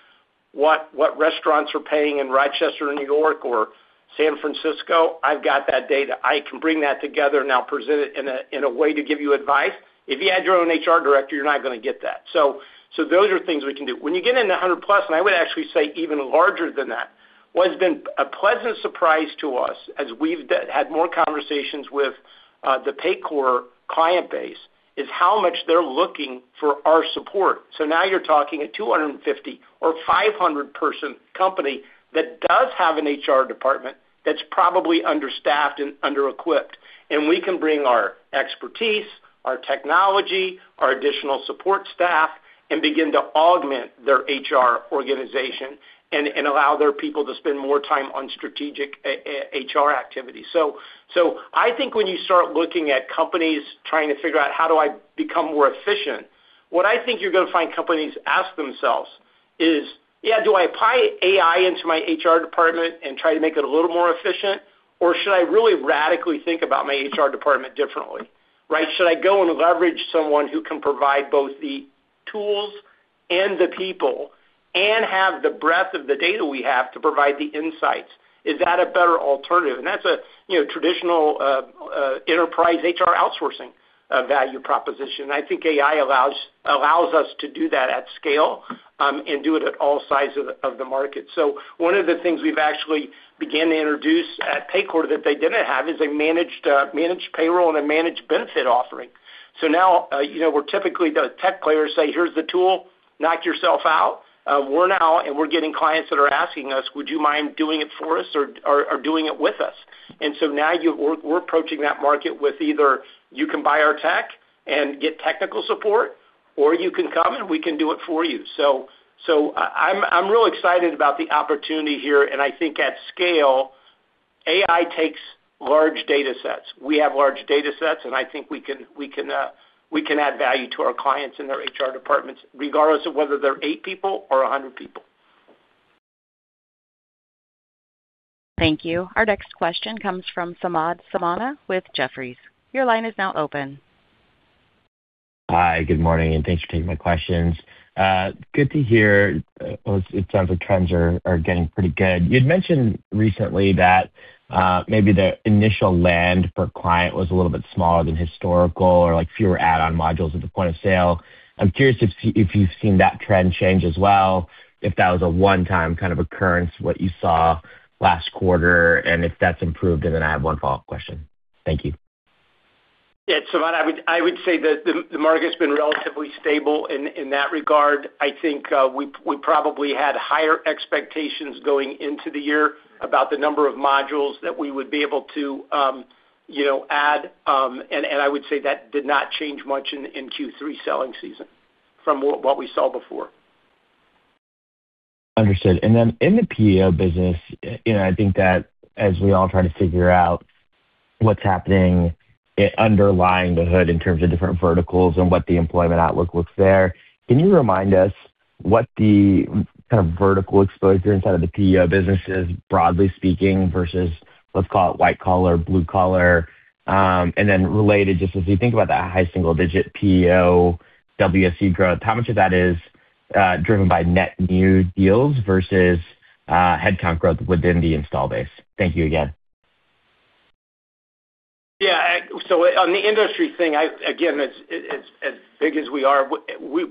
what restaurants are paying in Rochester, New York or San Francisco. I've got that data. I can bring that together and I'll present it in a way to give you advice. If you had your own HR director, you're not gonna get that. Those are things we can do. When you get into 100 plus, and I would actually say even larger than that, what has been a pleasant surprise to us as we've had more conversations with the Paycor client base, is how much they're looking for our support. Now you're talking a 250- or 500-person company that does have an HR department that's probably understaffed and underequipped, and we can bring our expertise, our technology, our additional support staff, and begin to augment their HR organization and allow their people to spend more time on strategic HR activities. I think when you start looking at companies trying to figure out, "How do I become more efficient?" What I think you're gonna find companies ask themselves is, "Yeah, do I apply AI into my HR department and try to make it a little more efficient, or should I really radically think about my HR department differently?" Right? "Should I go and leverage someone who can provide both the tools and the people and have the breadth of the data we have to provide the insights? Is that a better alternative?" That's a you know traditional enterprise HR outsourcing value proposition. I think AI allows us to do that at scale and do it at all sizes of the market. One of the things we've actually began to introduce at Paycor that they didn't have is a managed payroll and a managed benefit offering. Now you know where typically the tech players say, "Here's the tool, knock yourself out," we're now getting clients that are asking us, "Would you mind doing it for us or doing it with us?" Now we're approaching that market with either you can buy our tech and get technical support, or you can come and we can do it for you. I'm real excited about the opportunity here, and I think at scale, AI takes large datasets. We have large datasets, and I think we can add value to our clients and their HR departments, regardless of whether they're 8 people or 100 people. Thank you. Our next question comes from Samad Samana with Jefferies. Your line is now open. Hi, good morning, and thanks for taking my questions. Good to hear, well, it sounds like trends are getting pretty good. You'd mentioned recently that maybe the initial land per client was a little bit smaller than historical or, like, fewer add-on modules at the point of sale. I'm curious if you've seen that trend change as well, if that was a one-time kind of occurrence, what you saw last quarter, and if that's improved, and then I have one follow-up question. Thank you. Yeah, Samad, I would say that the market's been relatively stable in that regard. I think we probably had higher expectations going into the year about the number of modules that we would be able to you know add and I would say that did not change much in Q3 selling season from what we saw before. Understood. In the PEO business, you know, I think that as we all try to figure out what's happening under the hood in terms of different verticals and what the employment outlook looks like there, can you remind us what the kind of vertical exposure inside of the PEO business is, broadly speaking, versus let's call it white collar, blue collar? Related, just as you think about that high single digit PEO WSE growth, how much of that is driven by net new deals versus headcount growth within the install base? Thank you again. On the industry thing, again, as big as we are, we're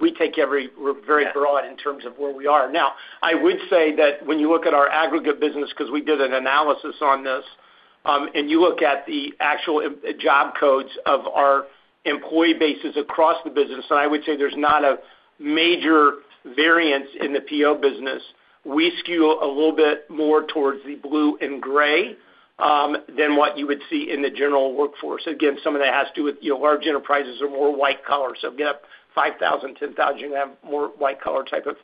very broad in terms of where we are. Now, I would say that when you look at our aggregate business, 'cause we did an analysis on this, and you look at the actual employee job codes of our employee bases across the business, and I would say there's not a major variance in the PEO business. We skew a little bit more towards the blue and gray than what you would see in the general workforce. Again, some of that has to do with, you know, large enterprises are more white collar. Get up 5,000, 10,000, you're gonna have more white collar type of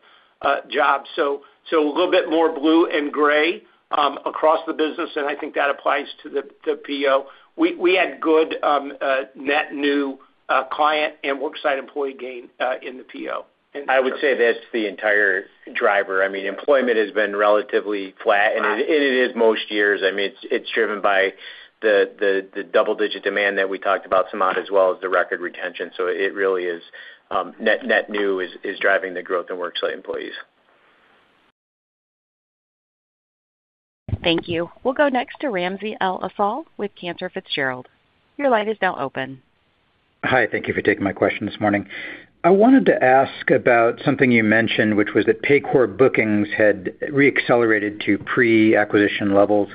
jobs. A little bit more blue and gray across the business, and I think that applies to the PEO. We had good net new client and worksite employee gain in the PEO. I would say that's the entire driver. I mean, employment has been relatively flat, and it is most years. I mean, it's driven by the double-digit demand that we talked about, Samad, as well as the record retention. It really is net new is driving the growth in worksite employees. Thank you. We'll go next to Ramsey El-Assal with Cantor Fitzgerald. Your line is now open. Hi. Thank you for taking my question this morning. I wanted to ask about something you mentioned, which was that Paycor bookings had re-accelerated to pre-acquisition levels.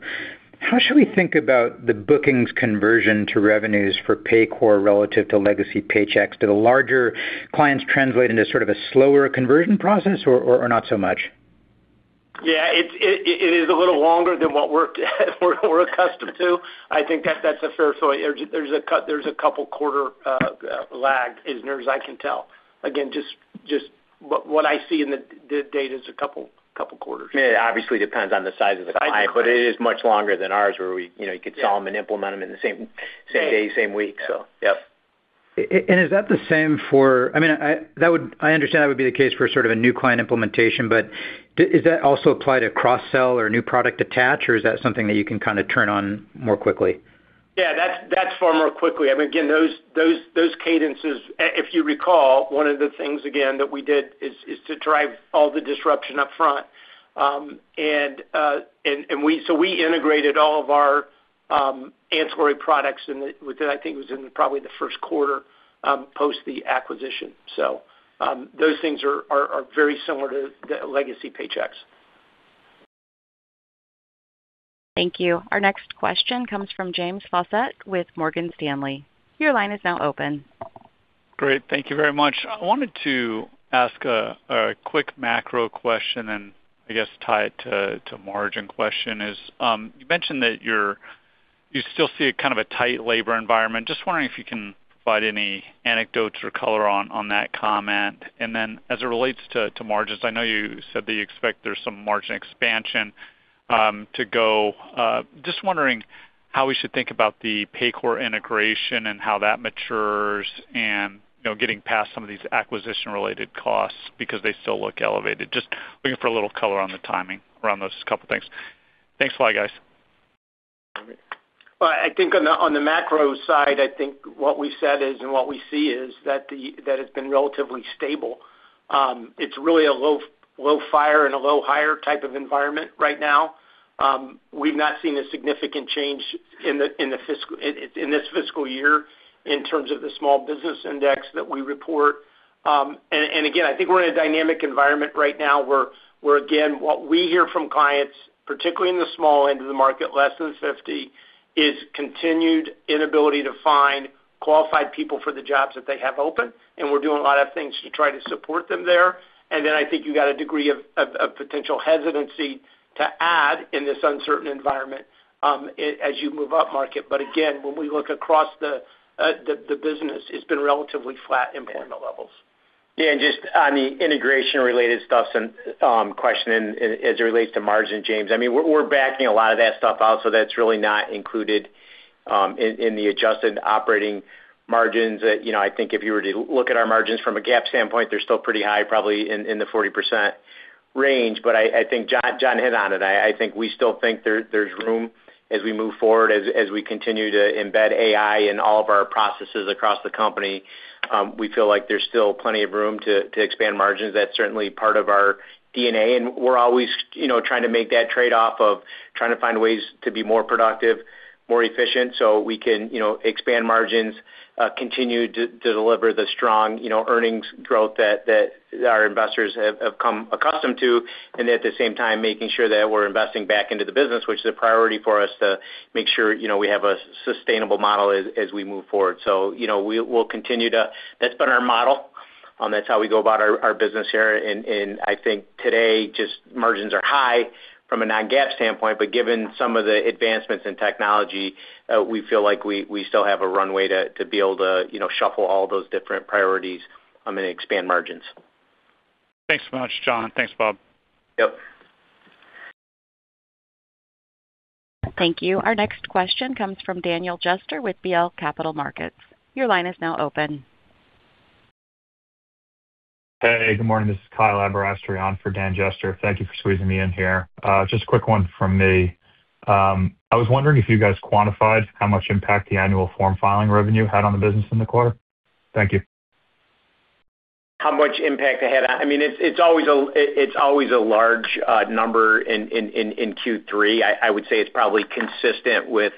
How should we think about the bookings conversion to revenues for Paycor relative to legacy Paychex? Do the larger clients translate into sort of a slower conversion process or not so much? Yeah. It is a little longer than what we're accustomed to. I think that's a fair point. There's a couple quarters lag as near as I can tell. Again, just what I see in the data is a couple quarters. Yeah. It obviously depends on the size of the client, but it is much longer than ours, where we, you know, you could sell them and implement them in the same day, same week. Yep. Is that the same for? I mean, I understand that would be the case for sort of a new client implementation. Does that also apply to cross-sell or new product attach, or is that something that you can kinda turn on more quickly? Yeah. That's far more quickly. I mean, again, those cadences. If you recall, one of the things, again, that we did is to drive all the disruption up front. We integrated all of our ancillary products in the with the, I think it was in probably the first quarter post the acquisition. Those things are very similar to the legacy Paychex. Thank you. Our next question comes from James Faucette with Morgan Stanley. Your line is now open. Great. Thank you very much. I wanted to ask a quick macro question and I guess tie it to a margin question. You mentioned that you still see a kind of tight labor environment. Just wondering if you can provide any anecdotes or color on that comment. Then as it relates to margins, I know you said that you expect there's some margin expansion to go. Just wondering how we should think about the Paycor integration and how that matures and, you know, getting past some of these acquisition-related costs because they still look elevated. Just looking for a little color on the timing around those couple things. Thanks a lot, guys. Well, I think on the macro side, I think what we said is and what we see is that it's been relatively stable. It's really a low fire and a low hire type of environment right now. We've not seen a significant change in this fiscal year in terms of the small business index that we report. Again, I think we're in a dynamic environment right now where again, what we hear from clients, particularly in the small end of the market, less than 50, is continued inability to find qualified people for the jobs that they have open, and we're doing a lot of things to try to support them there. I think you got a degree of potential hesitancy to add in this uncertain environment, as you move up market. Again, when we look across the business, it's been relatively flat employment levels. Yeah. Just on the integration-related stuff and question and as it relates to margin, James, I mean, we're backing a lot of that stuff out, so that's really not included in the adjusted operating margins. You know, I think if you were to look at our margins from a GAAP standpoint, they're still pretty high, probably in the 40% range. I think John hit on it. I think we still think there's room as we move forward, as we continue to embed AI in all of our processes across the company, we feel like there's still plenty of room to expand margins. That's certainly part of our DNA, and we're always, you know, trying to make that trade-off of trying to find ways to be more productive, more efficient, so we can, you know, expand margins, continue to deliver the strong, you know, earnings growth that our investors have come accustomed to, and at the same time making sure that we're investing back into the business, which is a priority for us to make sure, you know, we have a sustainable model as we move forward. That's been our model. That's how we go about our business here. I think today just margins are high from a non-GAAP standpoint, but given some of the advancements in technology, we feel like we still have a runway to be able to, you know, shuffle all those different priorities and expand margins. Thanks so much, John. Thanks, Bob. Yep. Thank you. Our next question comes from Daniel Jester with BMO Capital Markets. Your line is now open. Hey, good morning. This is Kyle Aberasturi on for Daniel Jester. Thank you for squeezing me in here. Just a quick one from me. I was wondering if you guys quantified how much impact the annual form filing revenue had on the business in the quarter. Thank you. How much impact it had. I mean, it's always a large number in Q3. I would say it's probably consistent with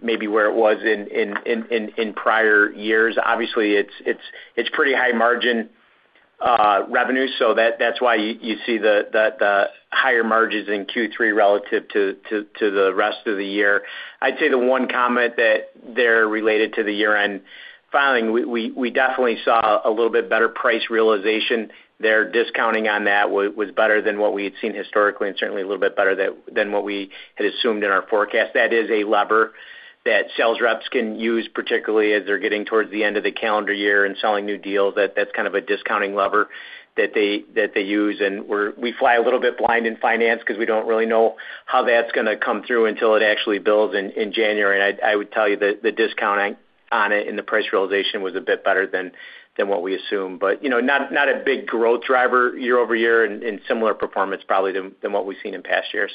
maybe where it was in prior years. Obviously, it's pretty high margin revenue, so that's why you see the higher margins in Q3 relative to the rest of the year. I'd say the one comment that they're related to the year-end filing, we definitely saw a little bit better price realization there. Discounting on that was better than what we had seen historically, and certainly a little bit better than what we had assumed in our forecast. That is a lever that sales reps can use, particularly as they're getting towards the end of the calendar year and selling new deals. That's kind of a discounting lever that they use. We fly a little bit blind in finance 'cause we don't really know how that's gonna come through until it actually bills in January. I would tell you the discounting on it and the price realization was a bit better than what we assumed. You know, not a big growth driver year over year and similar performance probably than what we've seen in past years.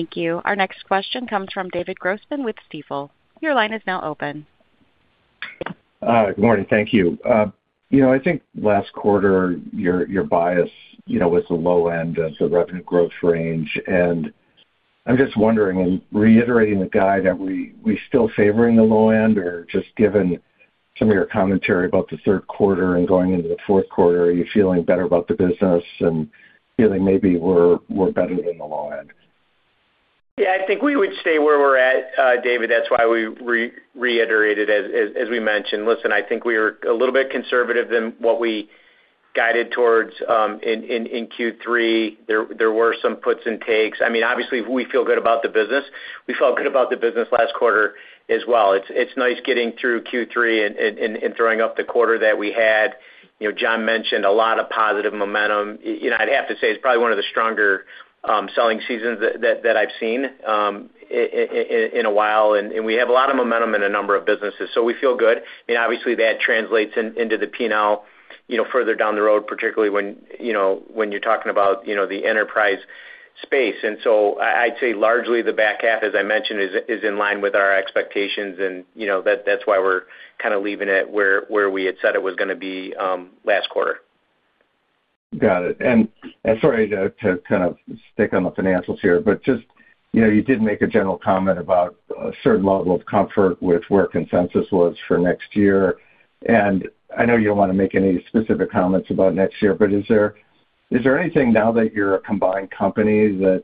Thank you. Our next question comes from David Grossman with Stifel. Your line is now open. Good morning. Thank you. You know, I think last quarter your bias was the low end of the revenue growth range. I'm just wondering, in reiterating the guide, are we still favoring the low end? Or just given some of your commentary about the third quarter and going into the fourth quarter, are you feeling better about the business and feeling maybe we're better than the low end? Yeah, I think we would stay where we're at, David. That's why we reiterated as we mentioned. Listen, I think we were a little bit conservative than what we guided towards in Q3. There were some puts and takes. I mean, obviously we feel good about the business. We felt good about the business last quarter as well. It's nice getting through Q3 and throwing up the quarter that we had. You know, John mentioned a lot of positive momentum. You know, I'd have to say it's probably one of the stronger selling seasons that I've seen in a while, and we have a lot of momentum in a number of businesses, so we feel good. I mean, obviously that translates into the P&L, you know, further down the road, particularly when, you know, when you're talking about, you know, the enterprise space. I'd say largely the back half, as I mentioned, is in line with our expectations and, you know, that's why we're kind of leaving it where we had said it was gonna be, last quarter. Got it. Sorry to kind of stick on the financials here, but just, you know, you did make a general comment about a certain level of comfort with where consensus was for next year. I know you don't wanna make any specific comments about next year, but is there anything now that you're a combined company that,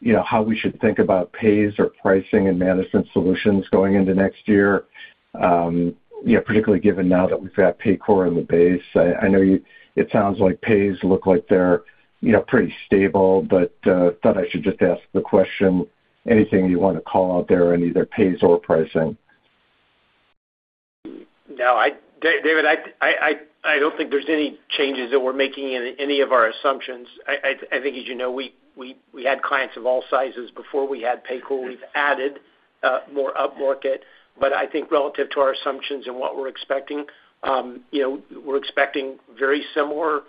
you know, how we should think about PEOs or pricing and management solutions going into next year? You know, particularly given now that we've got Paycor in the base. I know you, it sounds like PEOs look like they're, you know, pretty stable. Thought I should just ask the question. Anything you wanna call out there on either PEOs or pricing? No, David, I don't think there's any changes that we're making in any of our assumptions. I think as you know, we had clients of all sizes before we had Paycor. We've added more upmarket. But I think relative to our assumptions and what we're expecting, you know, we're expecting very similar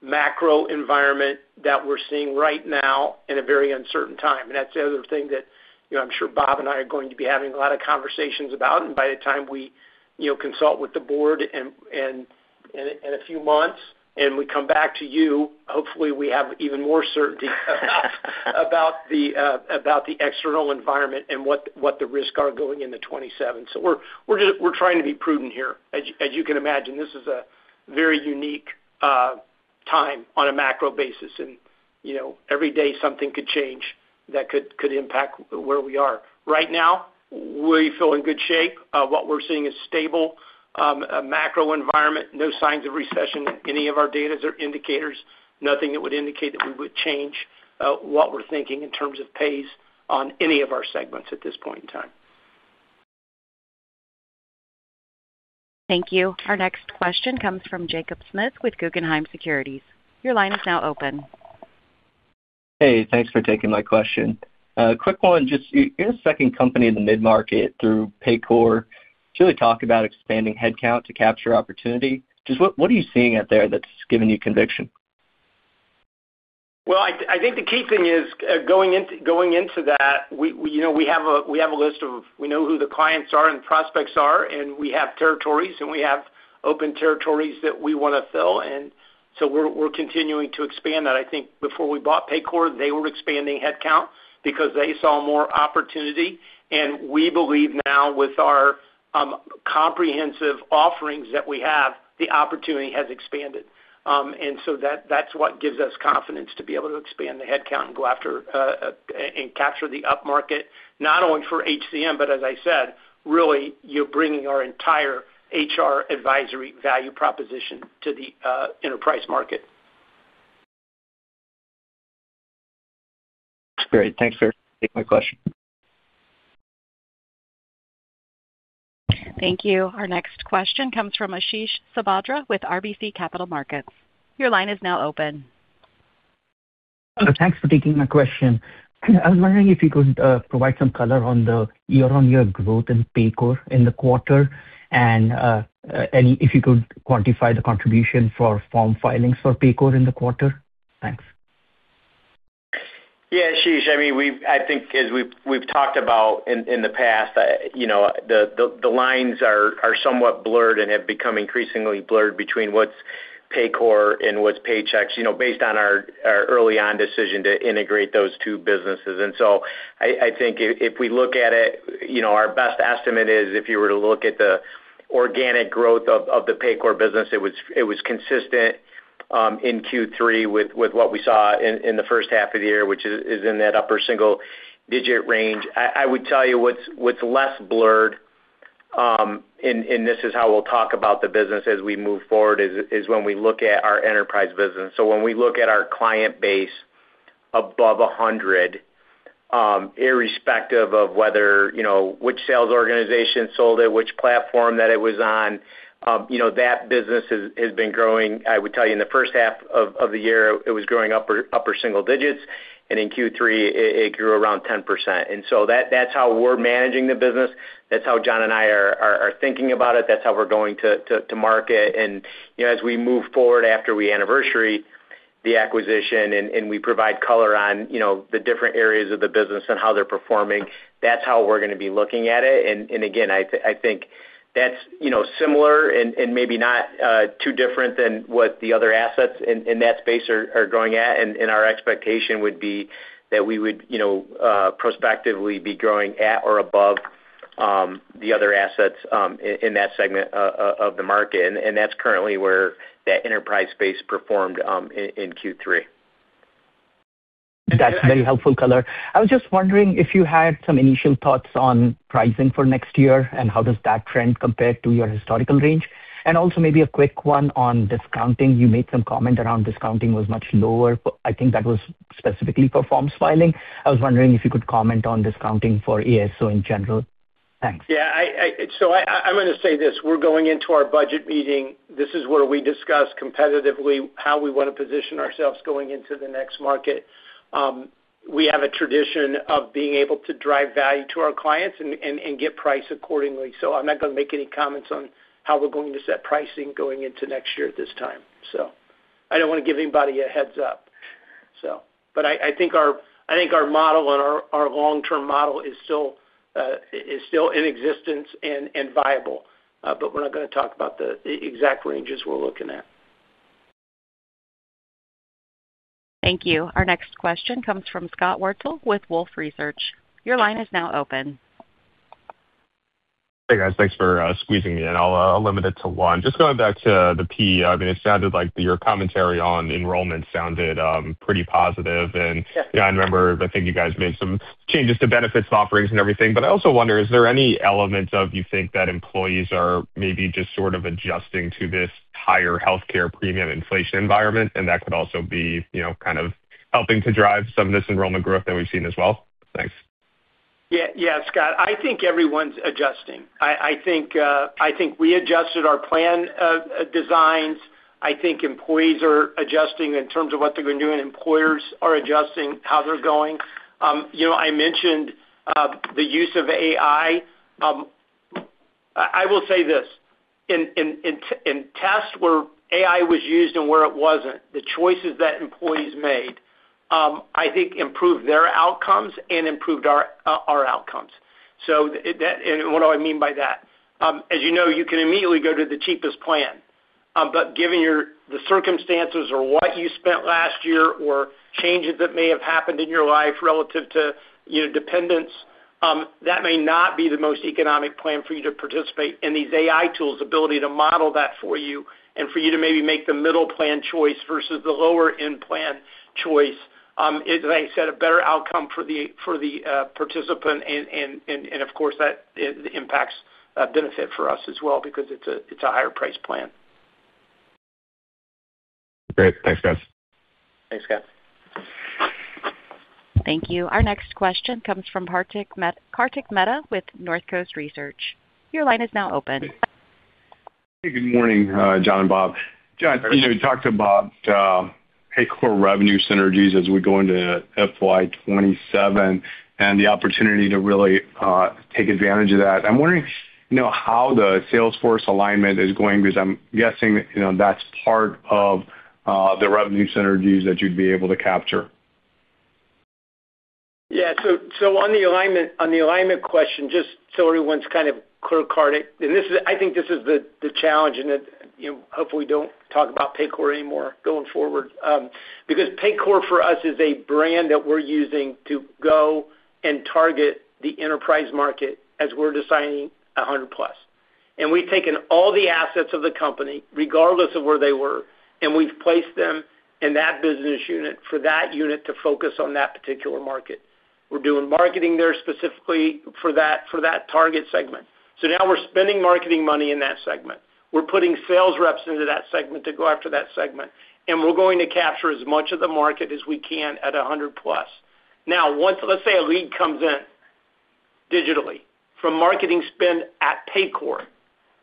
macro environment that we're seeing right now in a very uncertain time. That's the other thing that, you know, I'm sure Bob and I are going to be having a lot of conversations about. By the time we, you know, consult with the board and in a few months, and we come back to you, hopefully we have even more certainty about the external environment and what the risks are going into 2027. We're trying to be prudent here. As you can imagine, this is a very unique time on a macro basis. You know, every day something could change that could impact where we are. Right now, we feel in good shape. What we're seeing is stable macro environment, no signs of recession in any of our data or indicators, nothing that would indicate that we would change what we're thinking in terms of pace on any of our segments at this point in time. Thank you. Our next question comes from Jacob Smith with Guggenheim Securities. Your line is now open. Hey, thanks for taking my question. Quick one. Just, you're a second company in the mid-market through Paycor to really talk about expanding headcount to capture opportunity. Just what are you seeing out there that's giving you conviction? I think the key thing is, going into that, you know, we have a list. We know who the clients are and prospects are, and we have territories, and we have open territories that we wanna fill. We're continuing to expand that. I think before we bought Paycor, they were expanding headcount because they saw more opportunity. We believe now with our comprehensive offerings that we have, the opportunity has expanded. That's what gives us confidence to be able to expand the headcount and go after and capture the upmarket, not only for HCM, but as I said, really you're bringing our entire HR advisory value proposition to the enterprise market. Great. Thanks for taking my question. Thank you. Our next question comes from Ashish Sabadra with RBC Capital Markets. Your line is now open. Thanks for taking my question. I was wondering if you could provide some color on the year-on-year growth in Paycor in the quarter. If you could quantify the contribution for form filings for Paycor in the quarter? Thanks. Yeah, Ashish, I mean, we've I think as we've talked about in the past, you know, the lines are somewhat blurred and have become increasingly blurred between what's Paycor and what's Paychex, you know, based on our early on decision to integrate those two businesses. I think if we look at it, you know, our best estimate is if you were to look at the organic growth of the Paycor business, it was consistent in Q3 with what we saw in the first half of the year, which is in that upper single digit range. I would tell you what's less blurred, and this is how we'll talk about the business as we move forward is when we look at our enterprise business. When we look at our client base above 100, irrespective of whether, you know, which sales organization sold it, which platform that it was on, you know, that business has been growing. I would tell you in the first half of the year, it was growing upper single digits, and in Q3, it grew around 10%. That's how we're managing the business. That's how John and I are thinking about it. That's how we're going to market. You know, as we move forward after we anniversary the acquisition and we provide color on, you know, the different areas of the business and how they're performing, that's how we're gonna be looking at it. I think that's similar and maybe not too different than what the other assets in that space are going at. Our expectation would be that we would, you know, prospectively be growing at or above the other assets in that segment of the market. That's currently where that enterprise space performed in Q3. That's very helpful color. I was just wondering if you had some initial thoughts on pricing for next year and how does that trend compare to your historical range? Also maybe a quick one on discounting. You made some comment around discounting was much lower. I think that was specifically for forms filing. I was wondering if you could comment on discounting for ASO in general. Thanks. Yeah, I'm gonna say this, we're going into our budget meeting. This is where we discuss competitively how we wanna position ourselves going into the next market. We have a tradition of being able to drive value to our clients and get price accordingly. I'm not gonna make any comments on how we're going to set pricing going into next year at this time. I don't wanna give anybody a heads up. I think our model and our long-term model is still in existence and viable. We're not gonna talk about the exact ranges we're looking at. Thank you. Our next question comes from Scott Wurtzel with Wolfe Research. Your line is now open. Hey, guys. Thanks for squeezing me in. I'll limit it to one. Just going back to the PE. I mean, it sounded like your commentary on enrollment sounded pretty positive. You know, I remember I think you guys made some changes to benefits offerings and everything. I also wonder, is there any element of you think that employees are maybe just sort of adjusting to this higher healthcare premium inflation environment and that could also be, you know, kind of helping to drive some of this enrollment growth that we've seen as well? Thanks. Yeah, Scott, I think everyone's adjusting. I think we adjusted our plan designs. I think employees are adjusting in terms of what they're gonna do, and employers are adjusting how they're going. You know, I mentioned the use of AI. I will say this. In tests where AI was used and where it wasn't, the choices that employees made, I think improved their outcomes and improved our outcomes. That. What do I mean by that? As you know, you can immediately go to the cheapest plan. But given the circumstances or what you spent last year or changes that may have happened in your life relative to, you know, dependents, that may not be the most economic plan for you to participate. These AI tools ability to model that for you and for you to maybe make the middle plan choice versus the lower-end plan choice is, as I said, a better outcome for the participant and of course that impacts benefit for us as well because it's a higher priced plan. Great. Thanks, guys. Thanks, Scott. Thank you. Our next question comes from Kartik Mehta with Northcoast Research. Your line is now open. Hey, good morning, John and Bob. John, you know, you talked about Paycor revenue synergies as we go into FY 2027 and the opportunity to really take advantage of that. I'm wondering, you know, how the sales force alignment is going because I'm guessing, you know, that's part of the revenue synergies that you'd be able to capture. On the alignment question, just so everyone's kind of clear on it, and this is—I think this is the challenge and that, you know, hopefully we don't talk about Paycor anymore going forward. Because Paycor for us is a brand that we're using to go and target the enterprise market as we're defining 100+. And we've taken all the assets of the company, regardless of where they were, and we've placed them in that business unit for that unit to focus on that particular market. We're doing marketing there specifically for that target segment. Now we're spending marketing money in that segment. We're putting sales reps into that segment to go after that segment, and we're going to capture as much of the market as we can at 100+. Now, once, let's say, a lead comes in digitally from marketing spend at Paycor,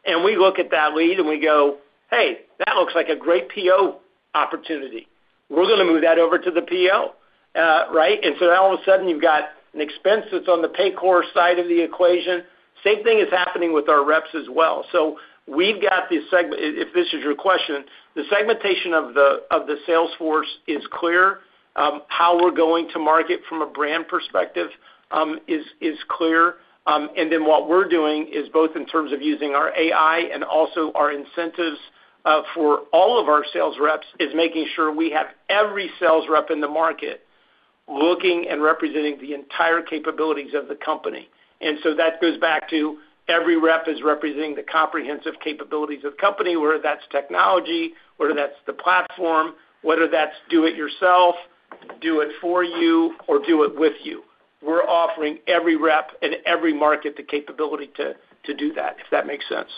and we look at that lead, and we go, "Hey, that looks like a great PEO opportunity," we're gonna move that over to the PEO, right? Now all of a sudden you've got an expense that's on the Paycor side of the equation. Same thing is happening with our reps as well. If this is your question, the segmentation of the sales force is clear. How we're going to market from a brand perspective is clear. And then what we're doing is both in terms of using our AI and also our incentives for all of our sales reps is making sure we have every sales rep in the market looking and representing the entire capabilities of the company. That goes back to every rep is representing the comprehensive capabilities of the company, whether that's technology, whether that's the platform, whether that's do it yourself, do it for you, or do it with you. We're offering every rep in every market the capability to do that, if that makes sense.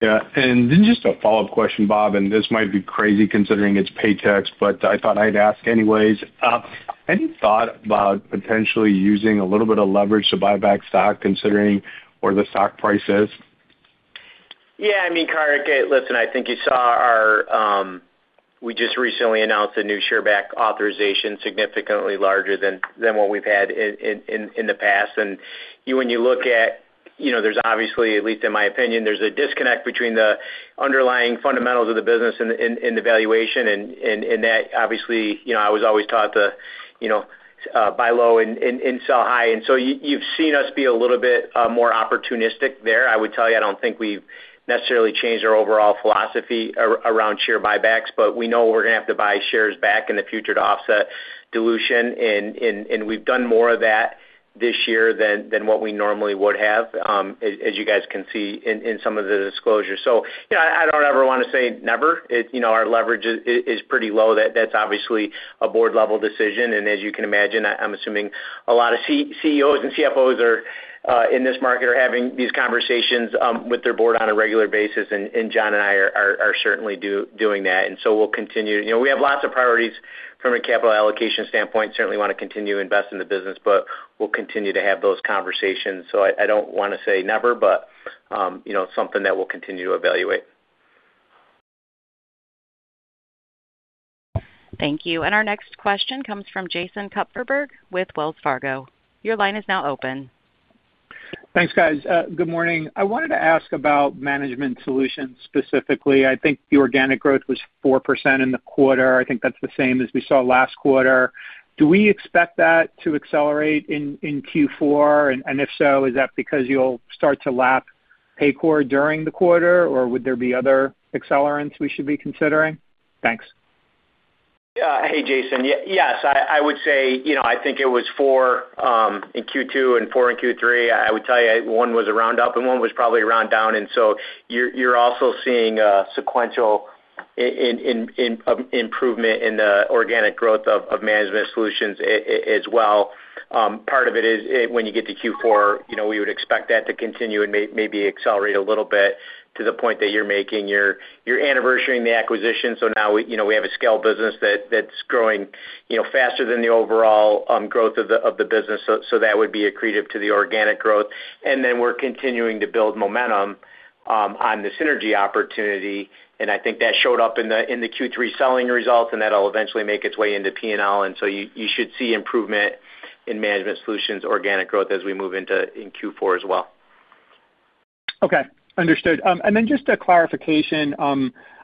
Yeah. Then just a follow-up question, Bob, and this might be crazy considering it's Paychex, but I thought I'd ask anyways. Any thought about potentially using a little bit of leverage to buy back stock considering where the stock price is? Yeah. I mean, Kartik, listen, I think you saw our. We just recently announced a new share buyback authorization significantly larger than what we've had in the past. When you look at, you know, there's obviously, at least in my opinion, there's a disconnect between the underlying fundamentals of the business and that obviously, you know, I was always taught to, you know, buy low and sell high. You've seen us be a little bit more opportunistic there. I would tell you, I don't think we've necessarily changed our overall philosophy around share buybacks, but we know we're gonna have to buy shares back in the future to offset dilution. We've done more of that this year than what we normally would have, as you guys can see in some of the disclosures. You know, I don't ever wanna say never. You know, our leverage is pretty low. That's obviously a board-level decision. As you can imagine, I'm assuming a lot of CEOs and CFOs in this market are having these conversations with their board on a regular basis, and John and I are certainly doing that. We'll continue. You know, we have lots of priorities from a capital allocation standpoint. Certainly wanna continue to invest in the business, but we'll continue to have those conversations. I don't wanna say never, but you know, something that we'll continue to evaluate. Thank you. Our next question comes from Jason Kupferberg with Wells Fargo. Your line is now open. Thanks, guys. Good morning. I wanted to ask about management solutions specifically. I think the organic growth was 4% in the quarter. I think that's the same as we saw last quarter. Do we expect that to accelerate in Q4? If so, is that because you'll start to lap Paycor during the quarter, or would there be other accelerants we should be considering? Thanks. Hey, Jason. Yes. I would say, you know, I think it was four in Q2 and four in Q3. I would tell you one was a round up and one was probably a round down, and so you're also seeing a sequential improvement in the organic growth of Management Solutions as well. Part of it is when you get to Q4, you know, we would expect that to continue and maybe accelerate a little bit to the point that you're making. You're anniversarying the acquisition, so now we, you know, we have a scale business that's growing, you know, faster than the overall growth of the business. So that would be accretive to the organic growth. We're continuing to build momentum on the synergy opportunity, and I think that showed up in the Q3 selling results, and that'll eventually make its way into P&L. You should see improvement in Management Solutions organic growth as we move into Q4 as well. Okay. Understood. Just a clarification.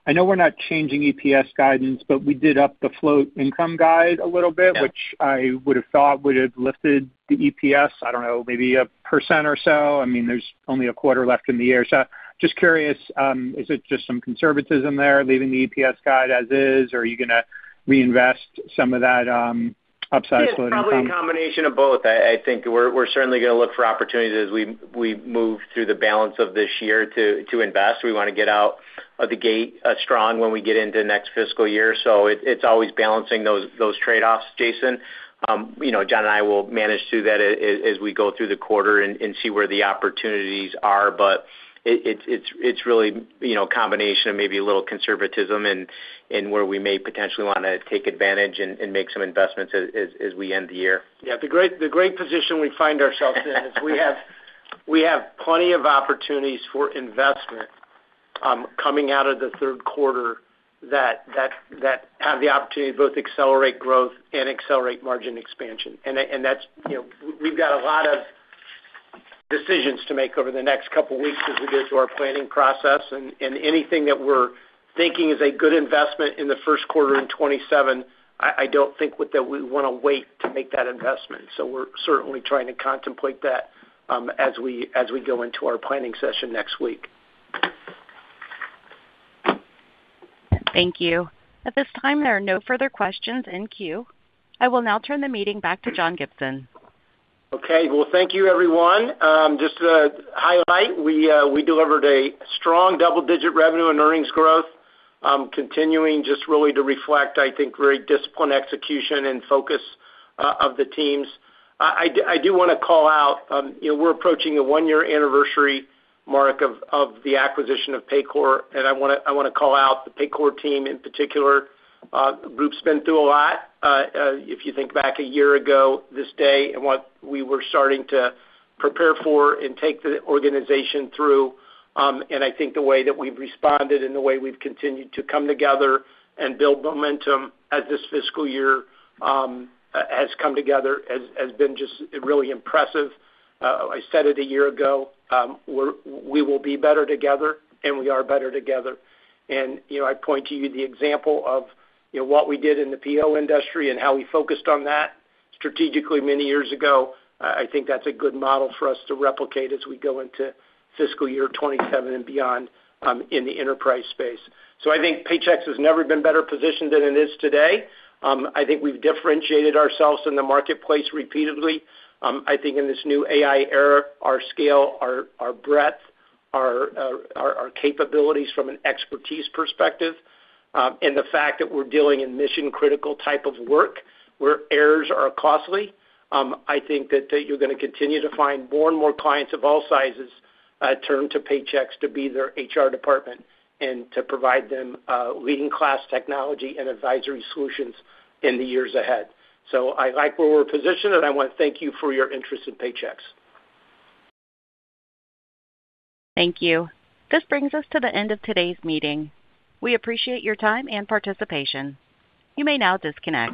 I know we're not changing EPS guidance, but we did up the float income guide a little bit. Yeah. which I would have thought would have lifted the EPS, I don't know, maybe a % or so. I mean, there's only a quarter left in the year. So just curious, is it just some conservatism there, leaving the EPS guide as is? Or are you gonna reinvest some of that, upside float income? Yeah, it's probably a combination of both. I think we're certainly gonna look for opportunities as we move through the balance of this year to invest. We wanna get out of the gate strong when we get into next fiscal year. It's always balancing those trade-offs, Jason. You know, John and I will manage through that as we go through the quarter and see where the opportunities are. It's really, you know, a combination of maybe a little conservatism and where we may potentially wanna take advantage and make some investments as we end the year. Yeah. The great position we find ourselves in is we have plenty of opportunities for investment coming out of the third quarter that have the opportunity to both accelerate growth and accelerate margin expansion. That's, you know, we've got a lot of decisions to make over the next couple weeks as it is to our planning process, and anything that we're thinking is a good investment in the first quarter in 2027, I don't think that we wanna wait to make that investment. We're certainly trying to contemplate that as we go into our planning session next week. Thank you. At this time, there are no further questions in queue. I will now turn the meeting back to John Gibson. Okay. Well, thank you, everyone. Just to highlight, we delivered a strong double-digit revenue and earnings growth, continuing just really to reflect, I think, very disciplined execution and focus of the teams. I do wanna call out, you know, we're approaching a one-year anniversary mark of the acquisition of Paycor, and I wanna call out the Paycor team in particular. The group's been through a lot. If you think back a year ago this day and what we were starting to prepare for and take the organization through, and I think the way that we've responded and the way we've continued to come together and build momentum as this fiscal year has come together has been just really impressive. I said it a year ago, we will be better together, and we are better together. You know, I point to the example of, you know, what we did in the PEO industry and how we focused on that strategically many years ago. I think that's a good model for us to replicate as we go into fiscal year 2027 and beyond, in the enterprise space. I think Paychex has never been better positioned than it is today. I think we've differentiated ourselves in the marketplace repeatedly. I think in this new AI era, our scale, our capabilities from an expertise perspective, and the fact that we're dealing in mission-critical type of work where errors are costly, I think that you're gonna continue to find more and more clients of all sizes, turn to Paychex to be their HR department and to provide them, leading-class technology and advisory solutions in the years ahead. I like where we're positioned, and I wanna thank you for your interest in Paychex. Thank you. This brings us to the end of today's meeting. We appreciate your time and participation. You may now disconnect.